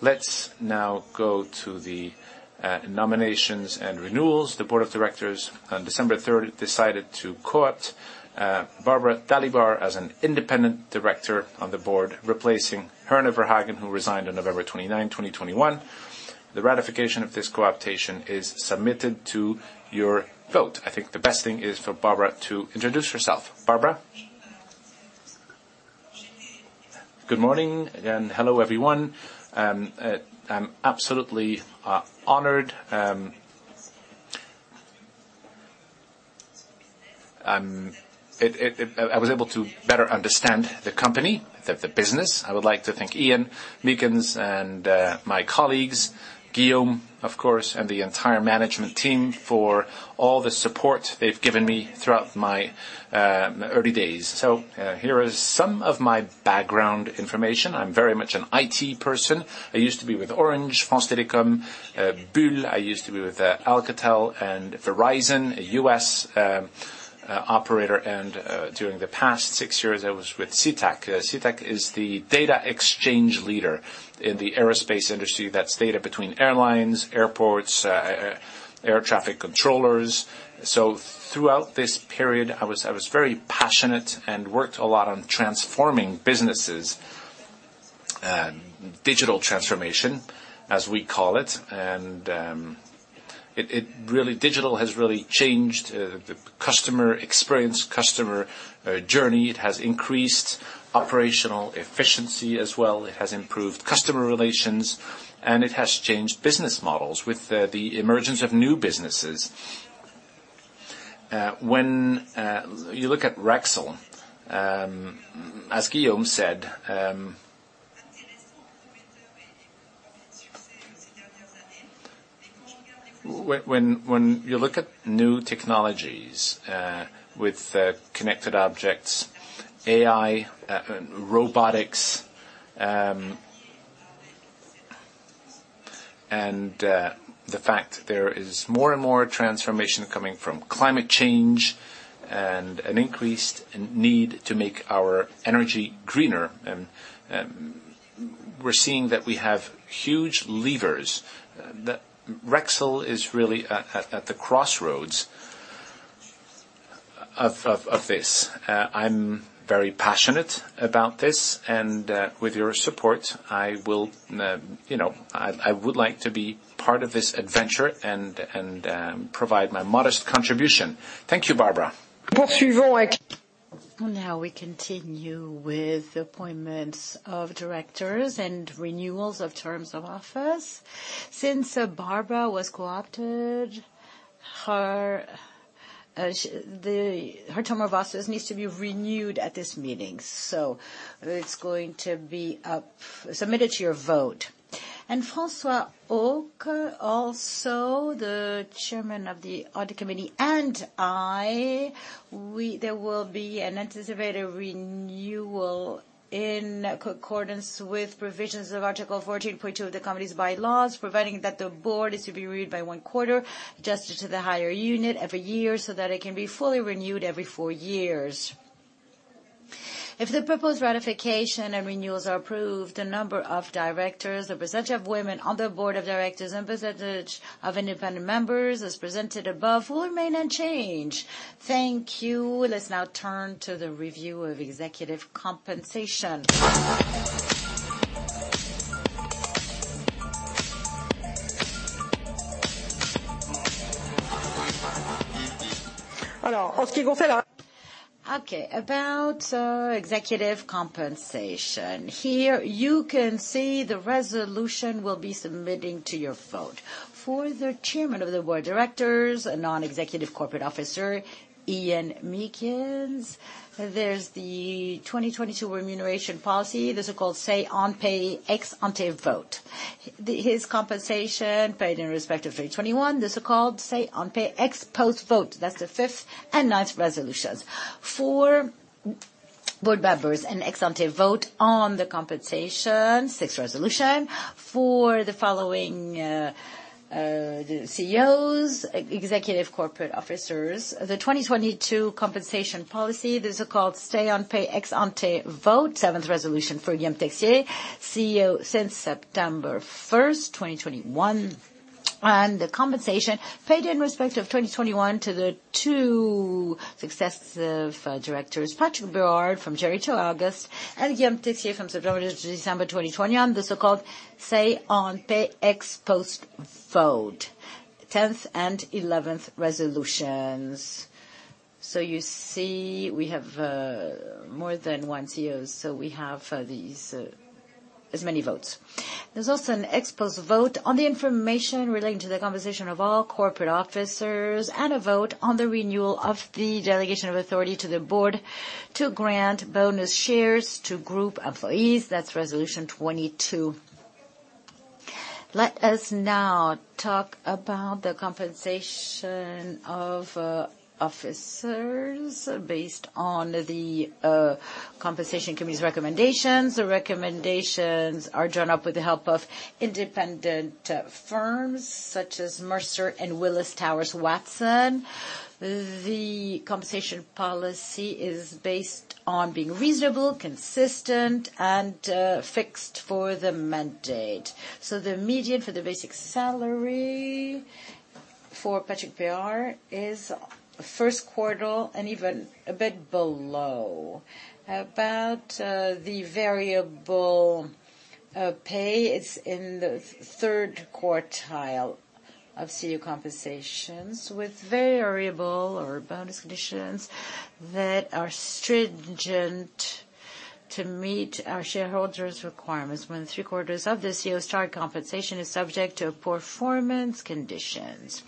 Let's now go to the nominations and renewals. The Board of Directors on December third decided to co-opt Barbara Dalibard as an independent director on the board, replacing Herna Verhagen, who resigned on November 29, 2021. The ratification of this co-optation is submitted to your vote. I think the best thing is for Barbara to introduce herself. Barbara? Good morning and hello, everyone. I'm absolutely honored. I was able to better understand the company, the business. I would like to thank Ian Meakins and my colleagues, Guillaume, of course, and the entire management team for all the support they've given me throughout my early days. Here is some of my background information. I'm very much an IT person. I used to be with Orange, France Télécom, Bull. I used to be with Alcatel and Verizon, a U.S. operator and during the past six years, I was with SITA. SITA is the data exchange leader in the aerospace industry. That's data between airlines, airports, air traffic controllers. Throughout this period, I was very passionate and worked a lot on transforming businesses. Digital transformation, as we call it. Really digital has really changed the customer experience, customer journey. It has increased operational efficiency as well. It has improved customer relations, and it has changed business models with the emergence of new businesses. When you look at Rexel, as Guillaume said. When you look at new technologies with connected objects, AI, robotics, and the fact there is more and more transformation coming from climate change and an increased need to make our energy greener, we're seeing that we have huge levers. Rexel is really at the crossroads of this. I'm very passionate about this, and with your support, I will, you know, I would like to be part of this adventure and provide my modest contribution. Thank you. Barbara. Now we continue with the appointments of directors and renewals of terms of office. Since Barbara was co-opted, her term of office needs to be renewed at this meeting, so it's going to be submitted to your vote. François Auque, also the Chairman of the audit committee, there will be an anticipated renewal in accordance with provisions of Article 14.2 of the company's bylaws, providing that the board is to be renewed by one quarter, adjusted to the higher unit every year, so that it can be fully renewed every four years. If the proposed ratification and renewals are approved, the number of directors, the percentage of women on the board of directors and percentage of independent members as presented above will remain unchanged. Thank you. Let's now turn to the review of executive compensation. Okay, about executive compensation. Here you can see the resolution we'll be submitting to your vote. For the Chairman of the Board of Directors, a non-executive corporate officer, Ian Meakins. There's the 2022 remuneration policy, the so-called say on pay ex ante vote. His compensation paid in respect of 2021, the so-called say on pay ex post vote. That's the fifth and ninth resolutions. For board members, an ex ante vote on the compensation, sixth resolution. For the following CEOs, executive corporate officers, the 2022 compensation policy, the so-called say on pay ex ante vote. Seventh resolution for Guillaume Texier, CEO since September 1, 2021, and the compensation paid in respect of 2021 to the two successive directors, Patrick Berard from January till August and Guillaume Texier from September to December 2021, the so-called say on pay ex post vote. Tenth and eleventh resolutions. You see, we have more than one CEO, so we have these as many votes. There's also an ex post vote on the information relating to the compensation of all corporate officers and a vote on the renewal of the delegation of authority to the board to grant bonus shares to group employees. That's resolution 22. Let us now talk about the compensation of officers based on the Compensation Committee's recommendations. The recommendations are drawn up with the help of independent firms such as Mercer and Willis Towers Watson. The compensation policy is based on being reasonable, consistent, and fixed for the mandate. The median for the basic salary for Patrick Berard is first quartile and even a bit below. About the variable pay, it's in the third quartile of CEO compensations with variable or bonus conditions that are stringent to meet our shareholders' requirements. More than three-quarters of the CEO's total compensation is subject to performance conditions.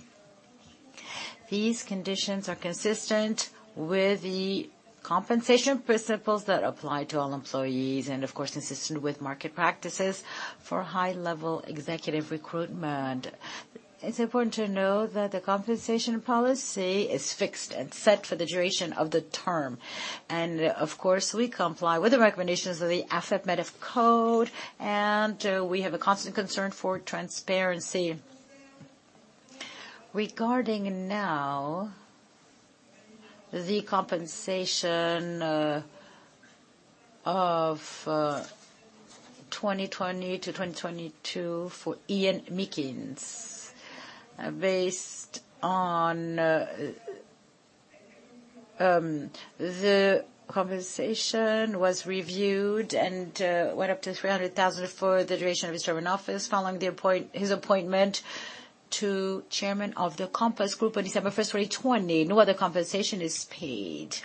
These conditions are consistent with the compensation principles that apply to all employees and of course, consistent with market practices for high-level executive recruitment. It's important to know that the compensation policy is fixed and set for the duration of the term. We comply with the recommendations of the AFEP-MEDEF code, and we have a constant concern for transparency. Regarding now the compensation of 2020 to 2022 for Ian Meakins. Based on the compensation was reviewed and went up to 300,000 for the duration of his term in office following his appointment to Chairman of the Compass Group on December 1, 2020. No other compensation is paid.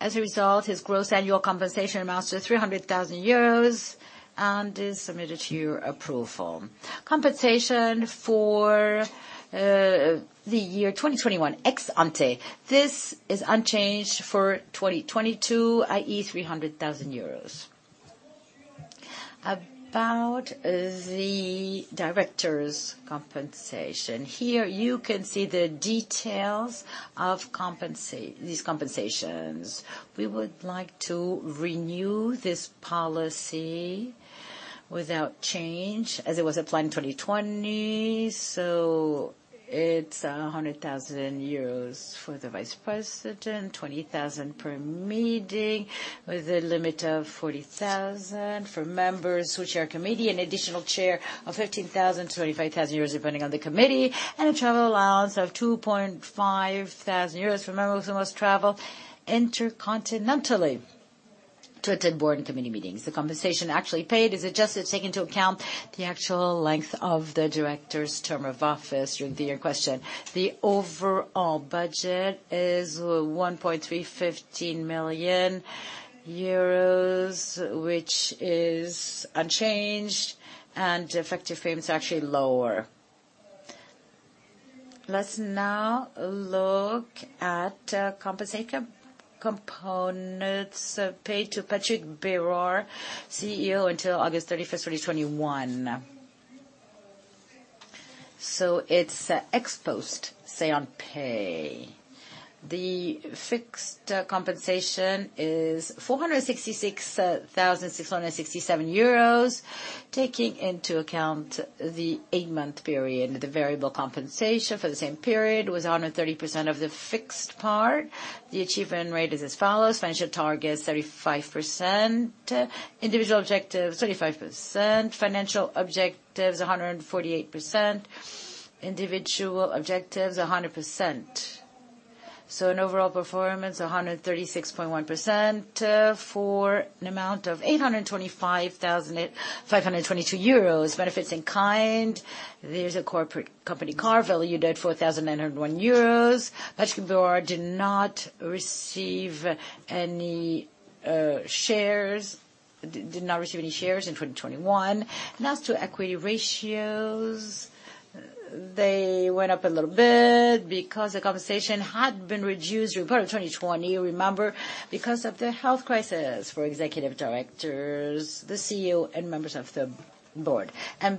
As a result, his gross annual compensation amounts to 300,000 euros and is submitted to your approval. Compensation for the year 2021 ex ante. This is unchanged for 2022, i.e., 300,000 euros. About the directors' compensation. Here you can see the details of these compensations. We would like to renew this policy without change as it was applied in 2020. It's 100,000 euros for the vice president, 20,000 EUR per meeting, with a limit of 40,000 EUR for members who chair a committee, an additional chair of 15,000-25,000 euros depending on the committee, and a travel allowance of 2,500 euros for members who must travel intercontinentally to attend board and committee meetings. The compensation actually paid is adjusted, taking into account the actual length of the director's term of office to review your question. The overall budget is 1.315 million euros, which is unchanged, and effective frame is actually lower. Let's now look at compensation components paid to Patrick Berard, CEO until August 31, 2021. It's ex-post say on pay. The fixed compensation is 466,667 euros, taking into account the 8-month period. The variable compensation for the same period was 130% of the fixed part. The achievement rate is as follows. Financial targets, 35%. Individual objectives, 25%. Financial objectives, 148%. Individual objectives, 100%. An overall performance, 136.1%, for an amount of 825,522 euros. Benefits in kind. There's a corporate company car valued at 4,901 euros. Patrick Berard did not receive any shares in 2021. As to equity ratios, they went up a little bit because the compensation had been reduced in Q4 2020, remember, because of the health crisis for executive directors, the CEO, and members of the board.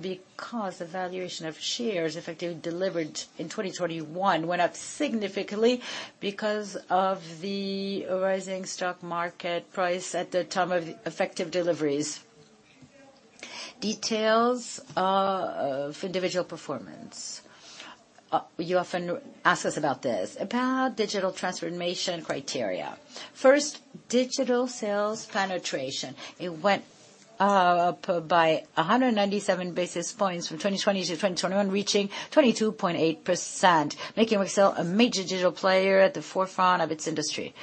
Because the valuation of shares effectively delivered in 2021 went up significantly because of the rising stock market price at the time of effective deliveries. Details of individual performance. You often ask us about this, about digital transformation criteria. First, digital sales penetration. It went up by 197 basis points from 2020 to 2021, reaching 22.8%, making Rexel a major digital player at the forefront of its industry.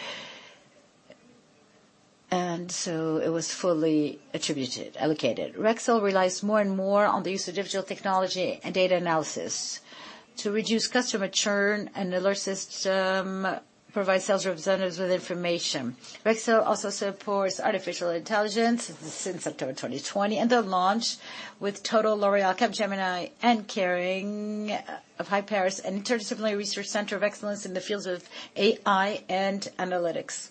It was fully attributed, allocated. Rexel relies more and more on the use of digital technology and data analysis to reduce customer churn, and alert system provides sales representatives with information. Rexel also supports artificial intelligence since October 2020, and the launch with Total, L'Oréal, Capgemini, and Kering of Hi! PARIS, an interdisciplinary research center of excellence in the fields of AI and analytics.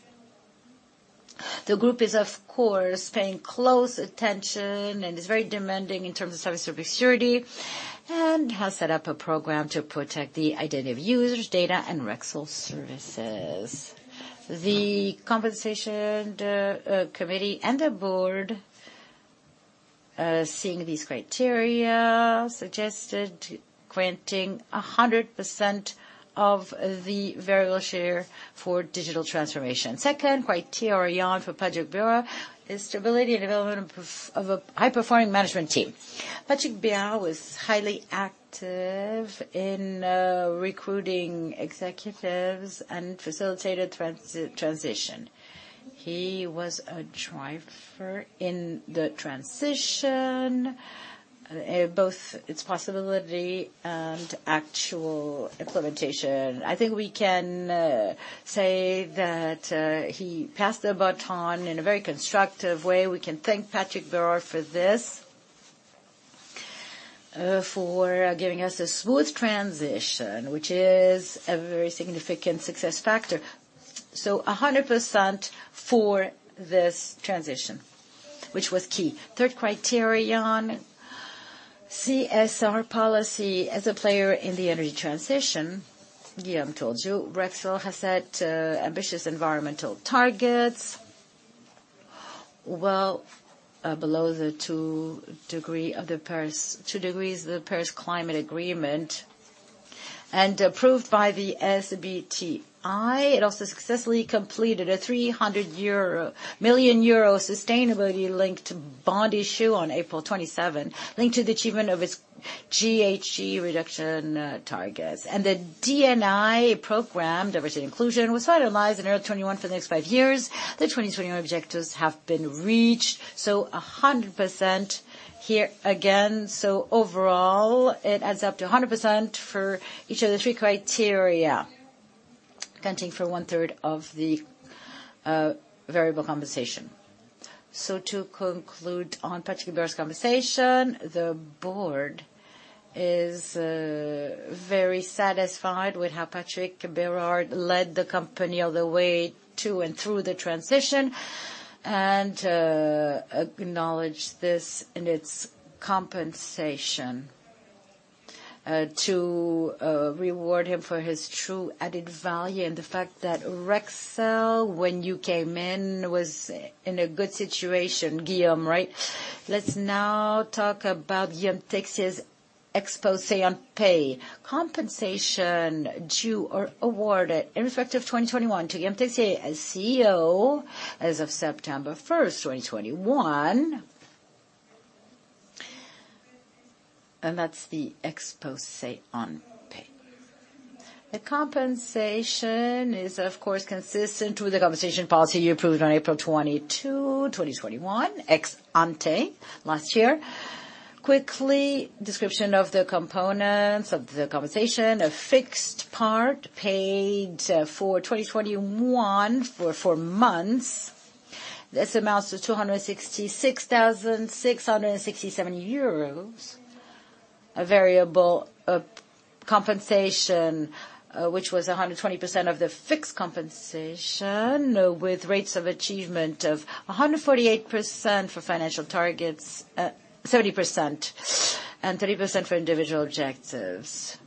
The group is, of course, paying close attention and is very demanding in terms of cybersecurity, and has set up a program to protect the identity of users' data and Rexel services. The Compensation Committee and the Board, seeing these criteria, suggested granting 100% of the variable share for digital transformation. Second criterion for Patrick Berard is stability and development of a high-performing management team. Patrick Berard was highly active in recruiting executives and facilitated transition. He was a driver in the transition, both its possibility and actual implementation. I think we can say that he passed the baton in a very constructive way. We can thank Patrick Berard for this, for giving us a smooth transition, which is a very significant success factor. 100% for this transition, which was key. Third criterion, CSR policy. As a player in the energy transition, Guillaume told you, Rexel has set ambitious environmental targets well below two degrees of the Paris Agreement and approved by the SBTI. It also successfully completed a 300 million euro sustainability-linked bond issue on April 27, linked to the achievement of its GHG reduction targets. The D&I program, diversity and inclusion, was finalized in early 2021 for the next five years. The 2021 objectives have been reached, so 100% here again. Overall, it adds up to 100% for each of the three criteria, accounting for one-third of the variable compensation. To conclude on Patrick Berard's compensation, the board is very satisfied with how Patrick Berard led the company all the way to and through the transition, and acknowledge this in its compensation to reward him for his true added value and the fact that Rexel, when you came in, was in a good situation, Guillaume, right? Let's now talk about Guillaume Texier's expose on pay. Compensation due or awarded in effect of 2021 to Guillaume Texier as CEO as of September 1, 2021. That's the expose on pay. The compensation is, of course, consistent with the compensation policy you approved on April 22, 2021, ex-ante last year. Quickly, description of the components of the compensation. A fixed part paid for 2021 for four months. This amounts to 266,667 euros. A variable compensation which was 120% of the fixed compensation, with rates of achievement of 148% for financial targets at 30%, and 30% for individual objectives.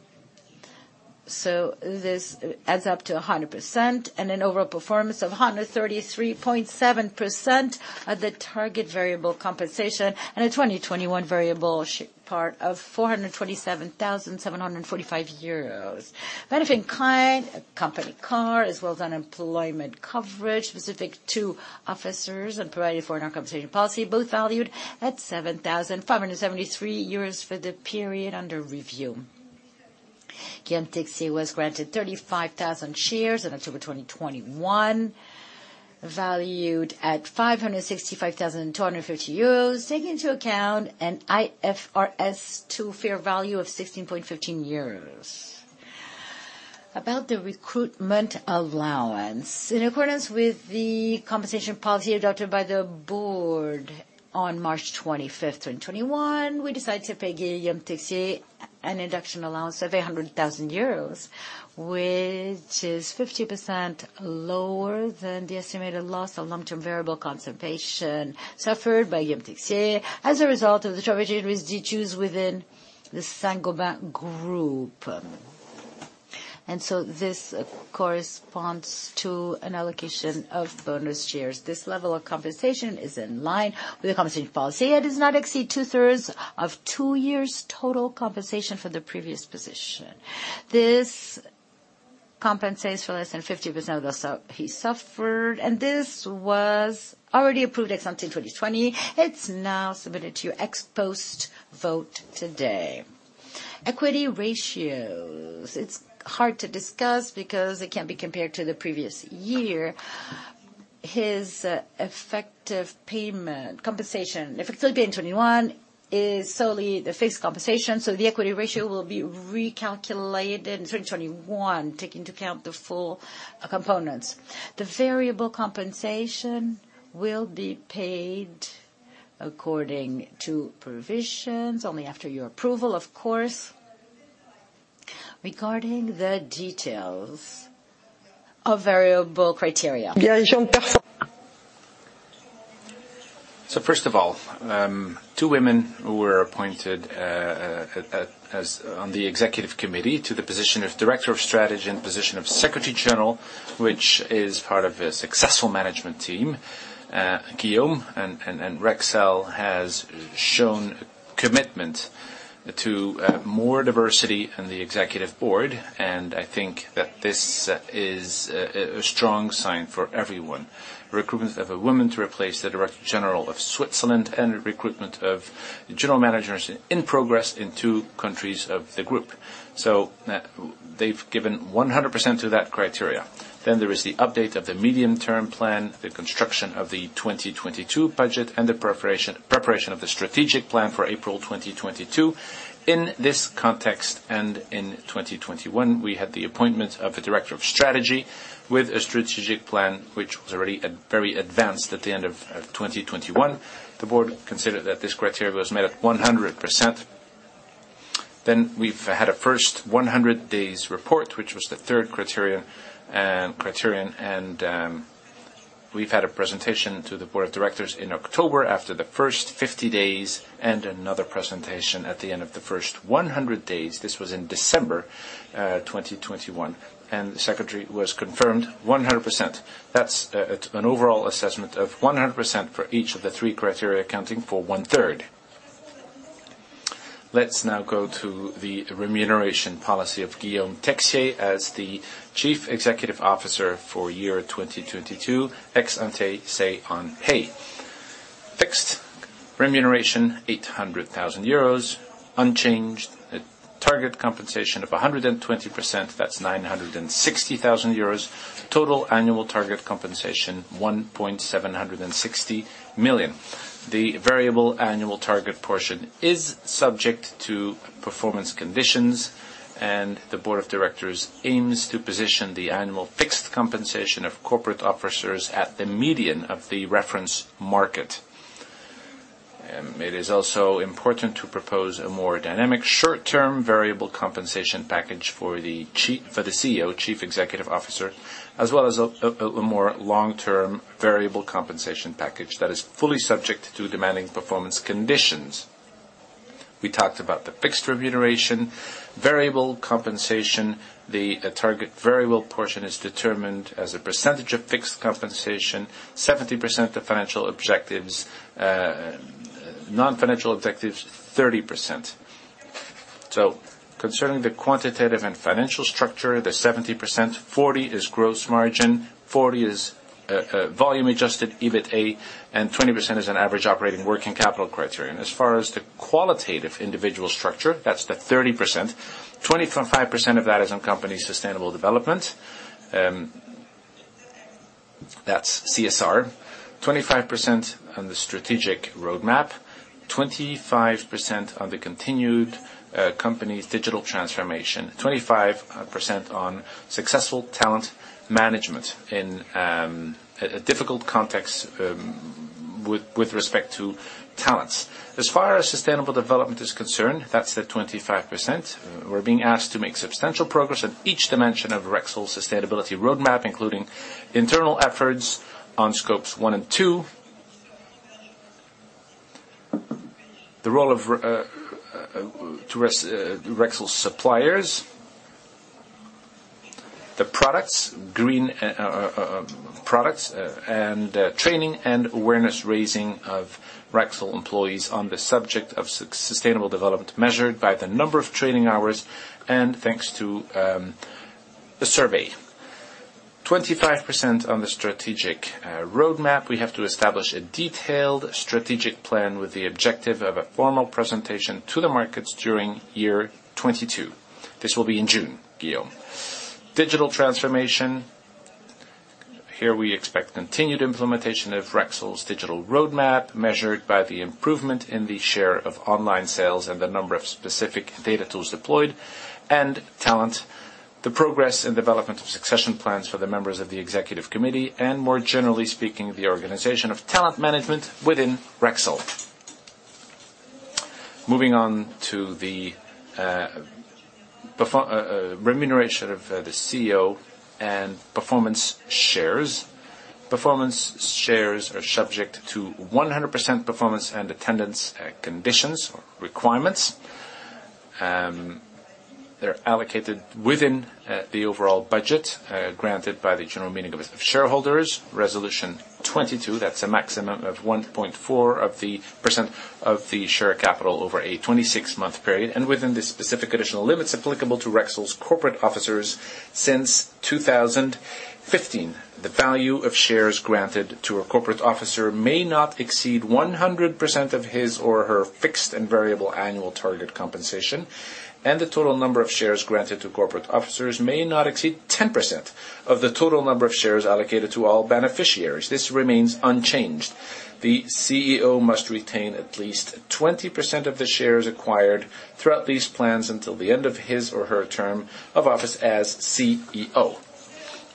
This adds up to 100% and an overall performance of 133.7% of the target variable compensation and a 2021 variable short-term part of 427,745 euros. Benefit in kind, a company car as well as unemployment coverage specific to officers and provided for in our compensation policy, both valued at 7,573 euros for the period under review. Guillaume Texier was granted 35,000 shares in October 2021, valued at 565,250 euros, taking into account an IFRS 2 fair value of 16.15 euros. About the recruitment allowance. In accordance with the compensation policy adopted by the board on March 25, 2021, we decided to pay Guillaume Texier an induction allowance of 800 thousand euros, which is 50% lower than the estimated loss of long-term variable compensation suffered by Guillaume Texier as a result of the job he previously chose within the Saint-Gobain Group. This corresponds to an allocation of bonus shares. This level of compensation is in line with the compensation policy and does not exceed two-thirds of 2 years' total compensation for the previous position. This compensates for less than 50% of the sum he suffered, and this was already approved ex-ante in 2020. It's now submitted to ex-post vote today. Equity ratios. It's hard to discuss because it can't be compared to the previous year. His effective payment compensation effectively in 2021 is solely the fixed compensation, so the equity ratio will be recalculated in 2021, taking into account the full components. The variable compensation will be paid according to provisions only after your approval, of course. Regarding the details of variable criteria. First of all, two women who were appointed on the executive committee to the position of Director of Strategy and position of Secretary General, which is part of a successful management team, Guillaume and Rexel has shown commitment to more diversity in the executive board, and I think that this is a strong sign for everyone. Recruitment of a woman to replace the Director General of Switzerland and recruitment of general managers in progress in two countries of the group. They've given 100% to that criteria. There is the update of the medium-term plan, the construction of the 2022 budget, and the preparation of the strategic plan for April 2022. In this context, in 2021, we had the appointment of a Director of Strategy with a strategic plan, which was already at very advanced at the end of 2021. The board considered that this criterion was met at 100%. We've had a first 100 days report, which was the third criterion, and we've had a presentation to the board of directors in October after the first 50 days and another presentation at the end of the first 100 days. This was in December 2021, and the criterion was confirmed 100%. That's an overall assessment of 100% for each of the 3 criteria accounting for one-third. Let's now go to the remuneration policy of Guillaume Texier as the Chief Executive Officer for year 2022 ex ante say on pay. Fixed remuneration 800,000 euros unchanged. Target compensation of 120%, that's 960,000 euros. Total annual target compensation 1.76 million. The variable annual target portion is subject to performance conditions, and the Board of Directors aims to position the annual fixed compensation of Corporate Officers at the median of the reference market. AIt is also important to propose a more dynamic short-term variable compensation package for the CEO, Chief Executive Officer, as well as a more long-term variable compensation package that is fully subject to demanding performance conditions. We talked about the fixed remuneration. Variable compensation, the target variable portion is determined as a percentage of fixed compensation, 70% of financial objectives, non-financial objectives, 30%. Concerning the quantitative and financial structure, the 70%, 40% is gross margin, 40% is volume-Adjusted EBITDA, and 20% is an average operating working capital criterion. As far as the qualitative individual structure, that's the 30%. 25% of that is on company sustainable development, that's CSR. 25% on the strategic roadmap, 25% on the continued company's digital transformation, 25% on successful talent management in a difficult context, with respect to talents. As far as sustainable development is concerned, that's the 25%. We're being asked to make substantial progress on each dimension of Rexel's sustainability roadmap, including internal efforts on Scope 1 and Scope 2. The role of Rexel's suppliers. The green products and training and awareness raising of Rexel employees on the subject of sustainable development measured by the number of training hours and thanks to a survey. 25% on the strategic roadmap. We have to establish a detailed strategic plan with the objective of a formal presentation to the markets during 2022. This will be in June, Guillaume. Digital transformation. Here we expect continued implementation of Rexel's digital roadmap, measured by the improvement in the share of online sales and the number of specific data tools deployed and talent. The progress and development of succession plans for the members of the executive committee and, more generally speaking, the organization of talent management within Rexel. Moving on to the performance remuneration of the CEO and performance shares. Performance shares are subject to 100% performance and attendance conditions or requirements. They're allocated within the overall budget granted by the general meeting of shareholders. Resolution 22, that's a maximum of 1.4% of the share capital over a 26-month period, and within the specific additional limits applicable to Rexel's corporate officers since 2015. The value of shares granted to a corporate officer may not exceed 100% of his or her fixed and variable annual target compensation, and the total number of shares granted to corporate officers may not exceed 10% of the total number of shares allocated to all beneficiaries. This remains unchanged. The CEO must retain at least 20% of the shares acquired throughout these plans until the end of his or her term of office as CEO.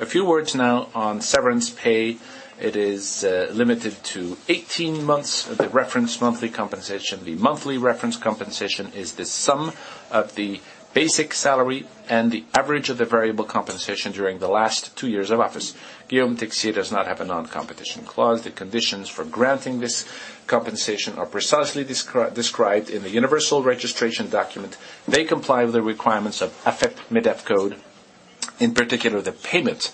A few words now on severance pay. It is limited to 18 months of the reference monthly compensation. The monthly reference compensation is the sum of the basic salary and the average of the variable compensation during the last two years of office. Guillaume Texier does not have a non-competition clause. The conditions for granting this compensation are precisely described in the universal registration document. They comply with the requirements of AFEP-MEDEF code, in particular the payment,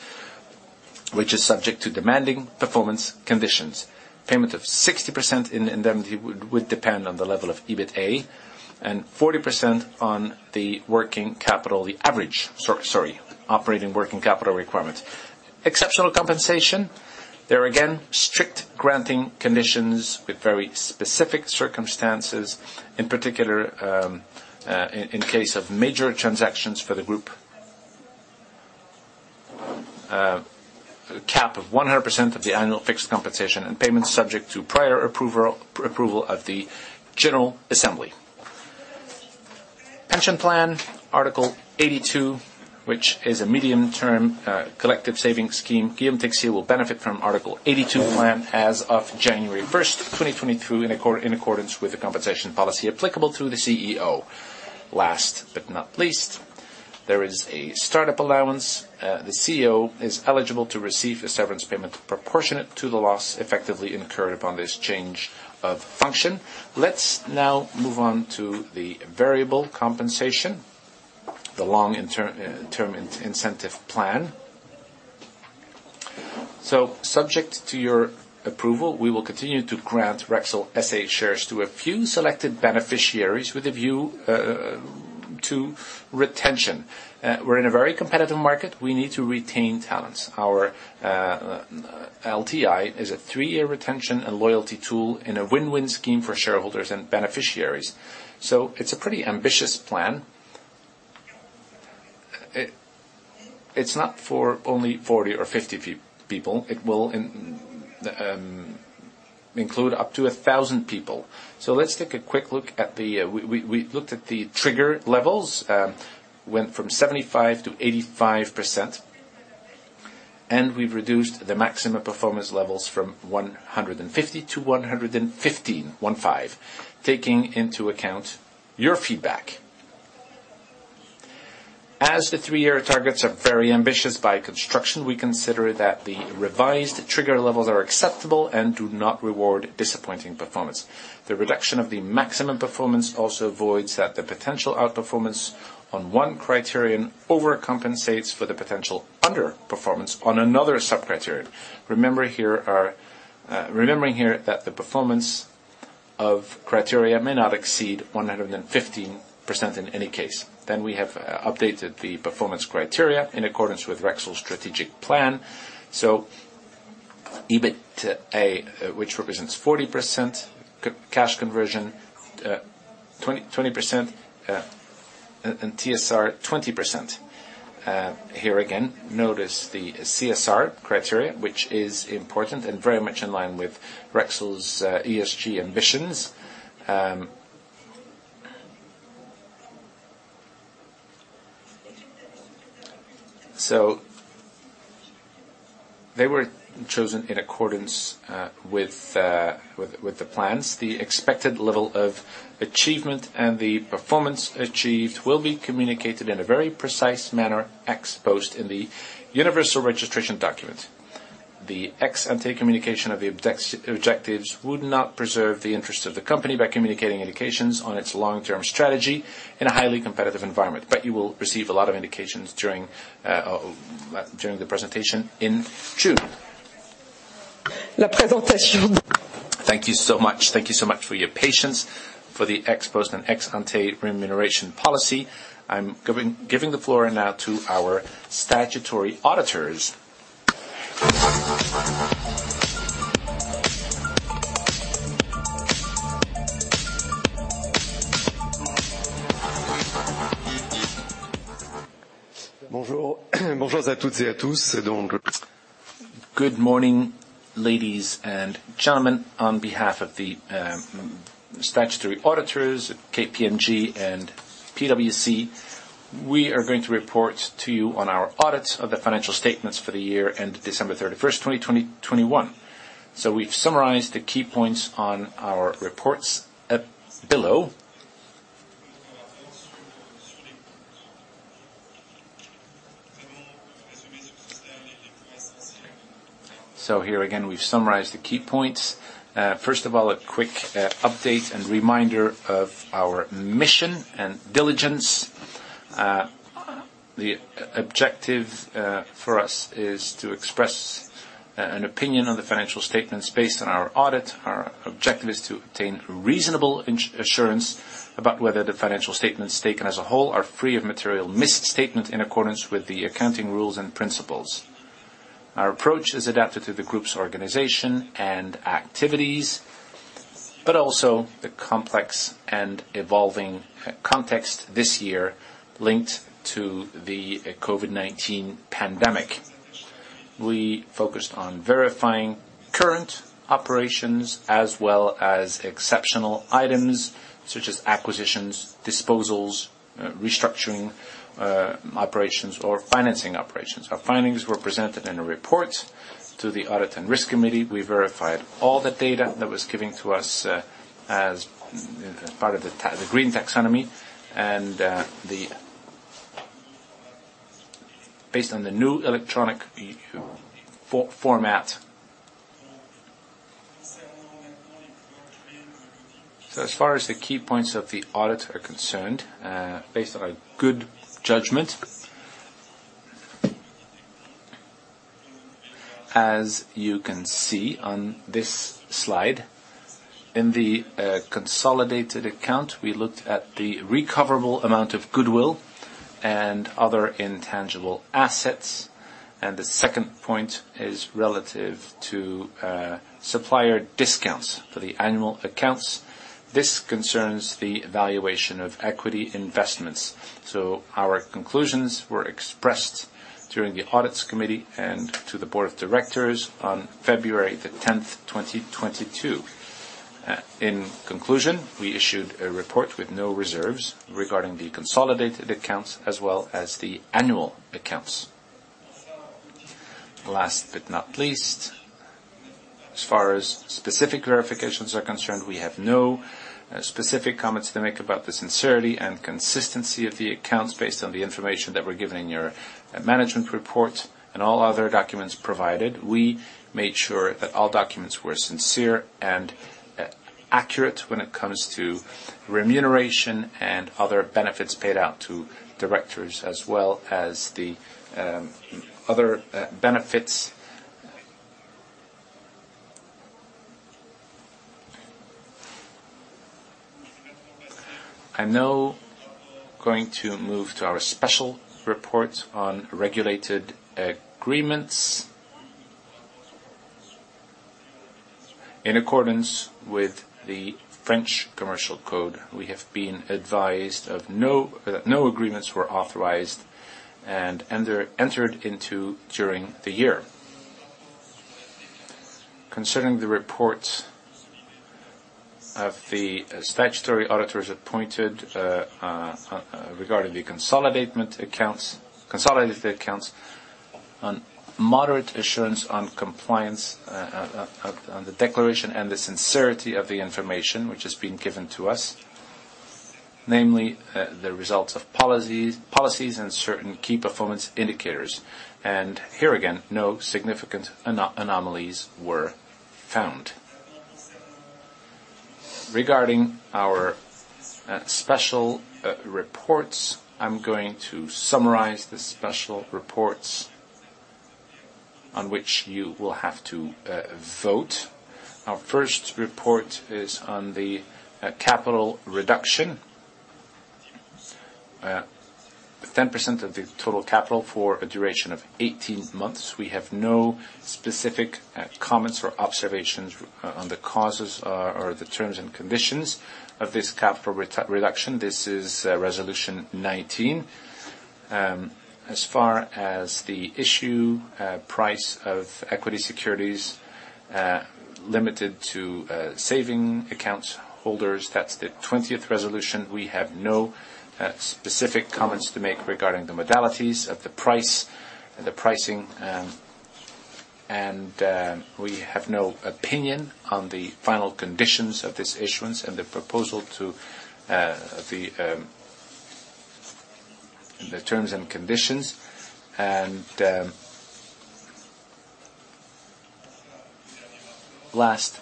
which is subject to demanding performance conditions. Payment of 60% indemnity would depend on the level of EBITDA and 40% on the working capital, the average operating working capital requirements. Exceptional compensation. There are again strict granting conditions with very specific circumstances, in particular, in case of major transactions for the group. A cap of 100% of the annual fixed compensation and payments subject to prior approval of the general assembly. Pension plan Article 82, which is a medium-term collective savings scheme. Guillaume Texier will benefit from Article 82 plan as of January 1, 2022 in accordance with the compensation policy applicable to the CEO. Last but not least, there is a startup allowance. The CEO is eligible to receive a severance payment proportionate to the loss effectively incurred upon this change of function. Let's now move on to the variable compensation, the long-term incentive plan. Subject to your approval, we will continue to grant Rexel S.A. shares to a few selected beneficiaries with a view to retention. We're in a very competitive market. We need to retain talents. Our LTI is a three-year retention and loyalty tool in a win-win scheme for shareholders and beneficiaries. It's a pretty ambitious plan. It's not for only 40 or 50 people. It will include up to 1,000 people. Let's take a quick look at the trigger levels. We looked at the trigger levels, went from 75%-85%, and we've reduced the maximum performance levels from 150 to 115, taking into account your feedback. As the three-year targets are very ambitious by construction, we consider that the revised trigger levels are acceptable and do not reward disappointing performance. The reduction of the maximum performance also avoids that the potential outperformance on one criterion overcompensates for the potential underperformance on another sub-criterion. Remembering here that the performance of criteria may not exceed 115% in any case. We have updated the performance criteria in accordance with Rexel's strategic plan. EBITDA, which represents 40%, cash conversion, 20%, and TSR, 20%. Here again, notice the CSR criteria, which is important and very much in line with Rexel's ESG ambitions. They were chosen in accordance with the plans. The expected level of achievement and the performance achieved will be communicated in a very precise manner, ex-post in the universal registration document. The ex-ante communication of the objectives would not preserve the interest of the company by communicating indications on its long-term strategy in a highly competitive environment. You will receive a lot of indications during the presentation in June. Thank you so much for your patience for the ex-post and ex-ante remuneration policy. I'm giving the floor now to our statutory auditors. Good morning, ladies and gentlemen. On behalf of the statutory auditors, KPMG and PwC, we are going to report to you on our audits of the financial statements for the year ended December 31, 2021. We've summarized the key points on our reports below. Here again, we've summarized the key points. First of all, a quick update and reminder of our mission and diligence. The objective for us is to express an opinion on the financial statements based on our audit. Our objective is to obtain reasonable assurance about whether the financial statements taken as a whole are free of material misstatement in accordance with the accounting rules and principles. Our approach is adapted to the group's organization and activities, but also the complex and evolving context this year linked to the COVID-19 pandemic. We focused on verifying current operations as well as exceptional items such as acquisitions, disposals, restructuring operations or financing operations. Our findings were presented in a report to the Audit and Risk Committee. We verified all the data that was given to us as part of the Green Taxonomy, based on the new electronic ESEF format. As far as the key points of the audit are concerned, based on a good judgment, as you can see on this slide, in the consolidated account, we looked at the recoverable amount of goodwill and other intangible assets. The second point is relative to supplier discounts for the annual accounts. This concerns the evaluation of equity investments. Our conclusions were expressed during the Audit Committee and to the Board of Directors on February 10, 2022. In conclusion, we issued a report with no reserves regarding the consolidated accounts as well as the annual accounts. Last but not least, as far as specific verifications are concerned, we have no specific comments to make about the sincerity and consistency of the accounts based on the information that were given in your management report and all other documents provided. We made sure that all documents were sincere and accurate when it comes to remuneration and other benefits paid out to directors, as well as the other benefits. I'm now going to move to our special report on regulated agreements. In accordance with the French Commercial Code, we have been advised that no agreements were authorized and entered into during the year. Concerning the reports of the statutory auditors appointed, regarding the consolidated accounts on moderate assurance on compliance, on the declaration and the sincerity of the information which is being given to us, namely, the results of policies and certain key performance indicators. Here again, no significant anomalies were found. Regarding our special reports, I'm going to summarize the special reports on which you will have to vote. Our first report is on the capital reduction. 10% of the total capital for a duration of 18 months. We have no specific comments or observations on the causes or the terms and conditions of this capital reduction. This is resolution 19. As far as the issue price of equity securities limited to savings accounts holders, that's the 20th resolution. We have no specific comments to make regarding the modalities of the price and the pricing. We have no opinion on the final conditions of this issuance and the proposal to the terms and conditions. Last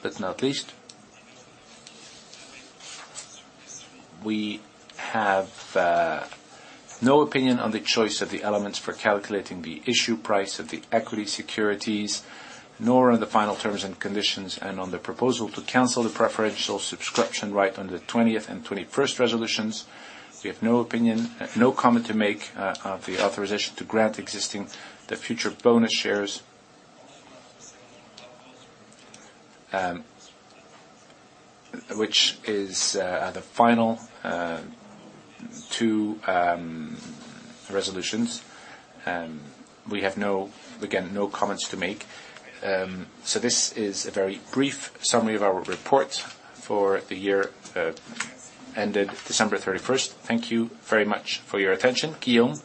but not least, we have no opinion on the choice of the elements for calculating the issue price of the equity securities, nor on the final terms and conditions, and on the proposal to cancel the preferential subscription right under the twentieth and twenty-first resolutions. We have no opinion, no comment to make on the authorization to grant existing and future bonus shares, which is the final two resolutions. We have no comments to make. This is a very brief summary of our report for the year ended December thirty-first. Thank you very much for your attention. Guillaume?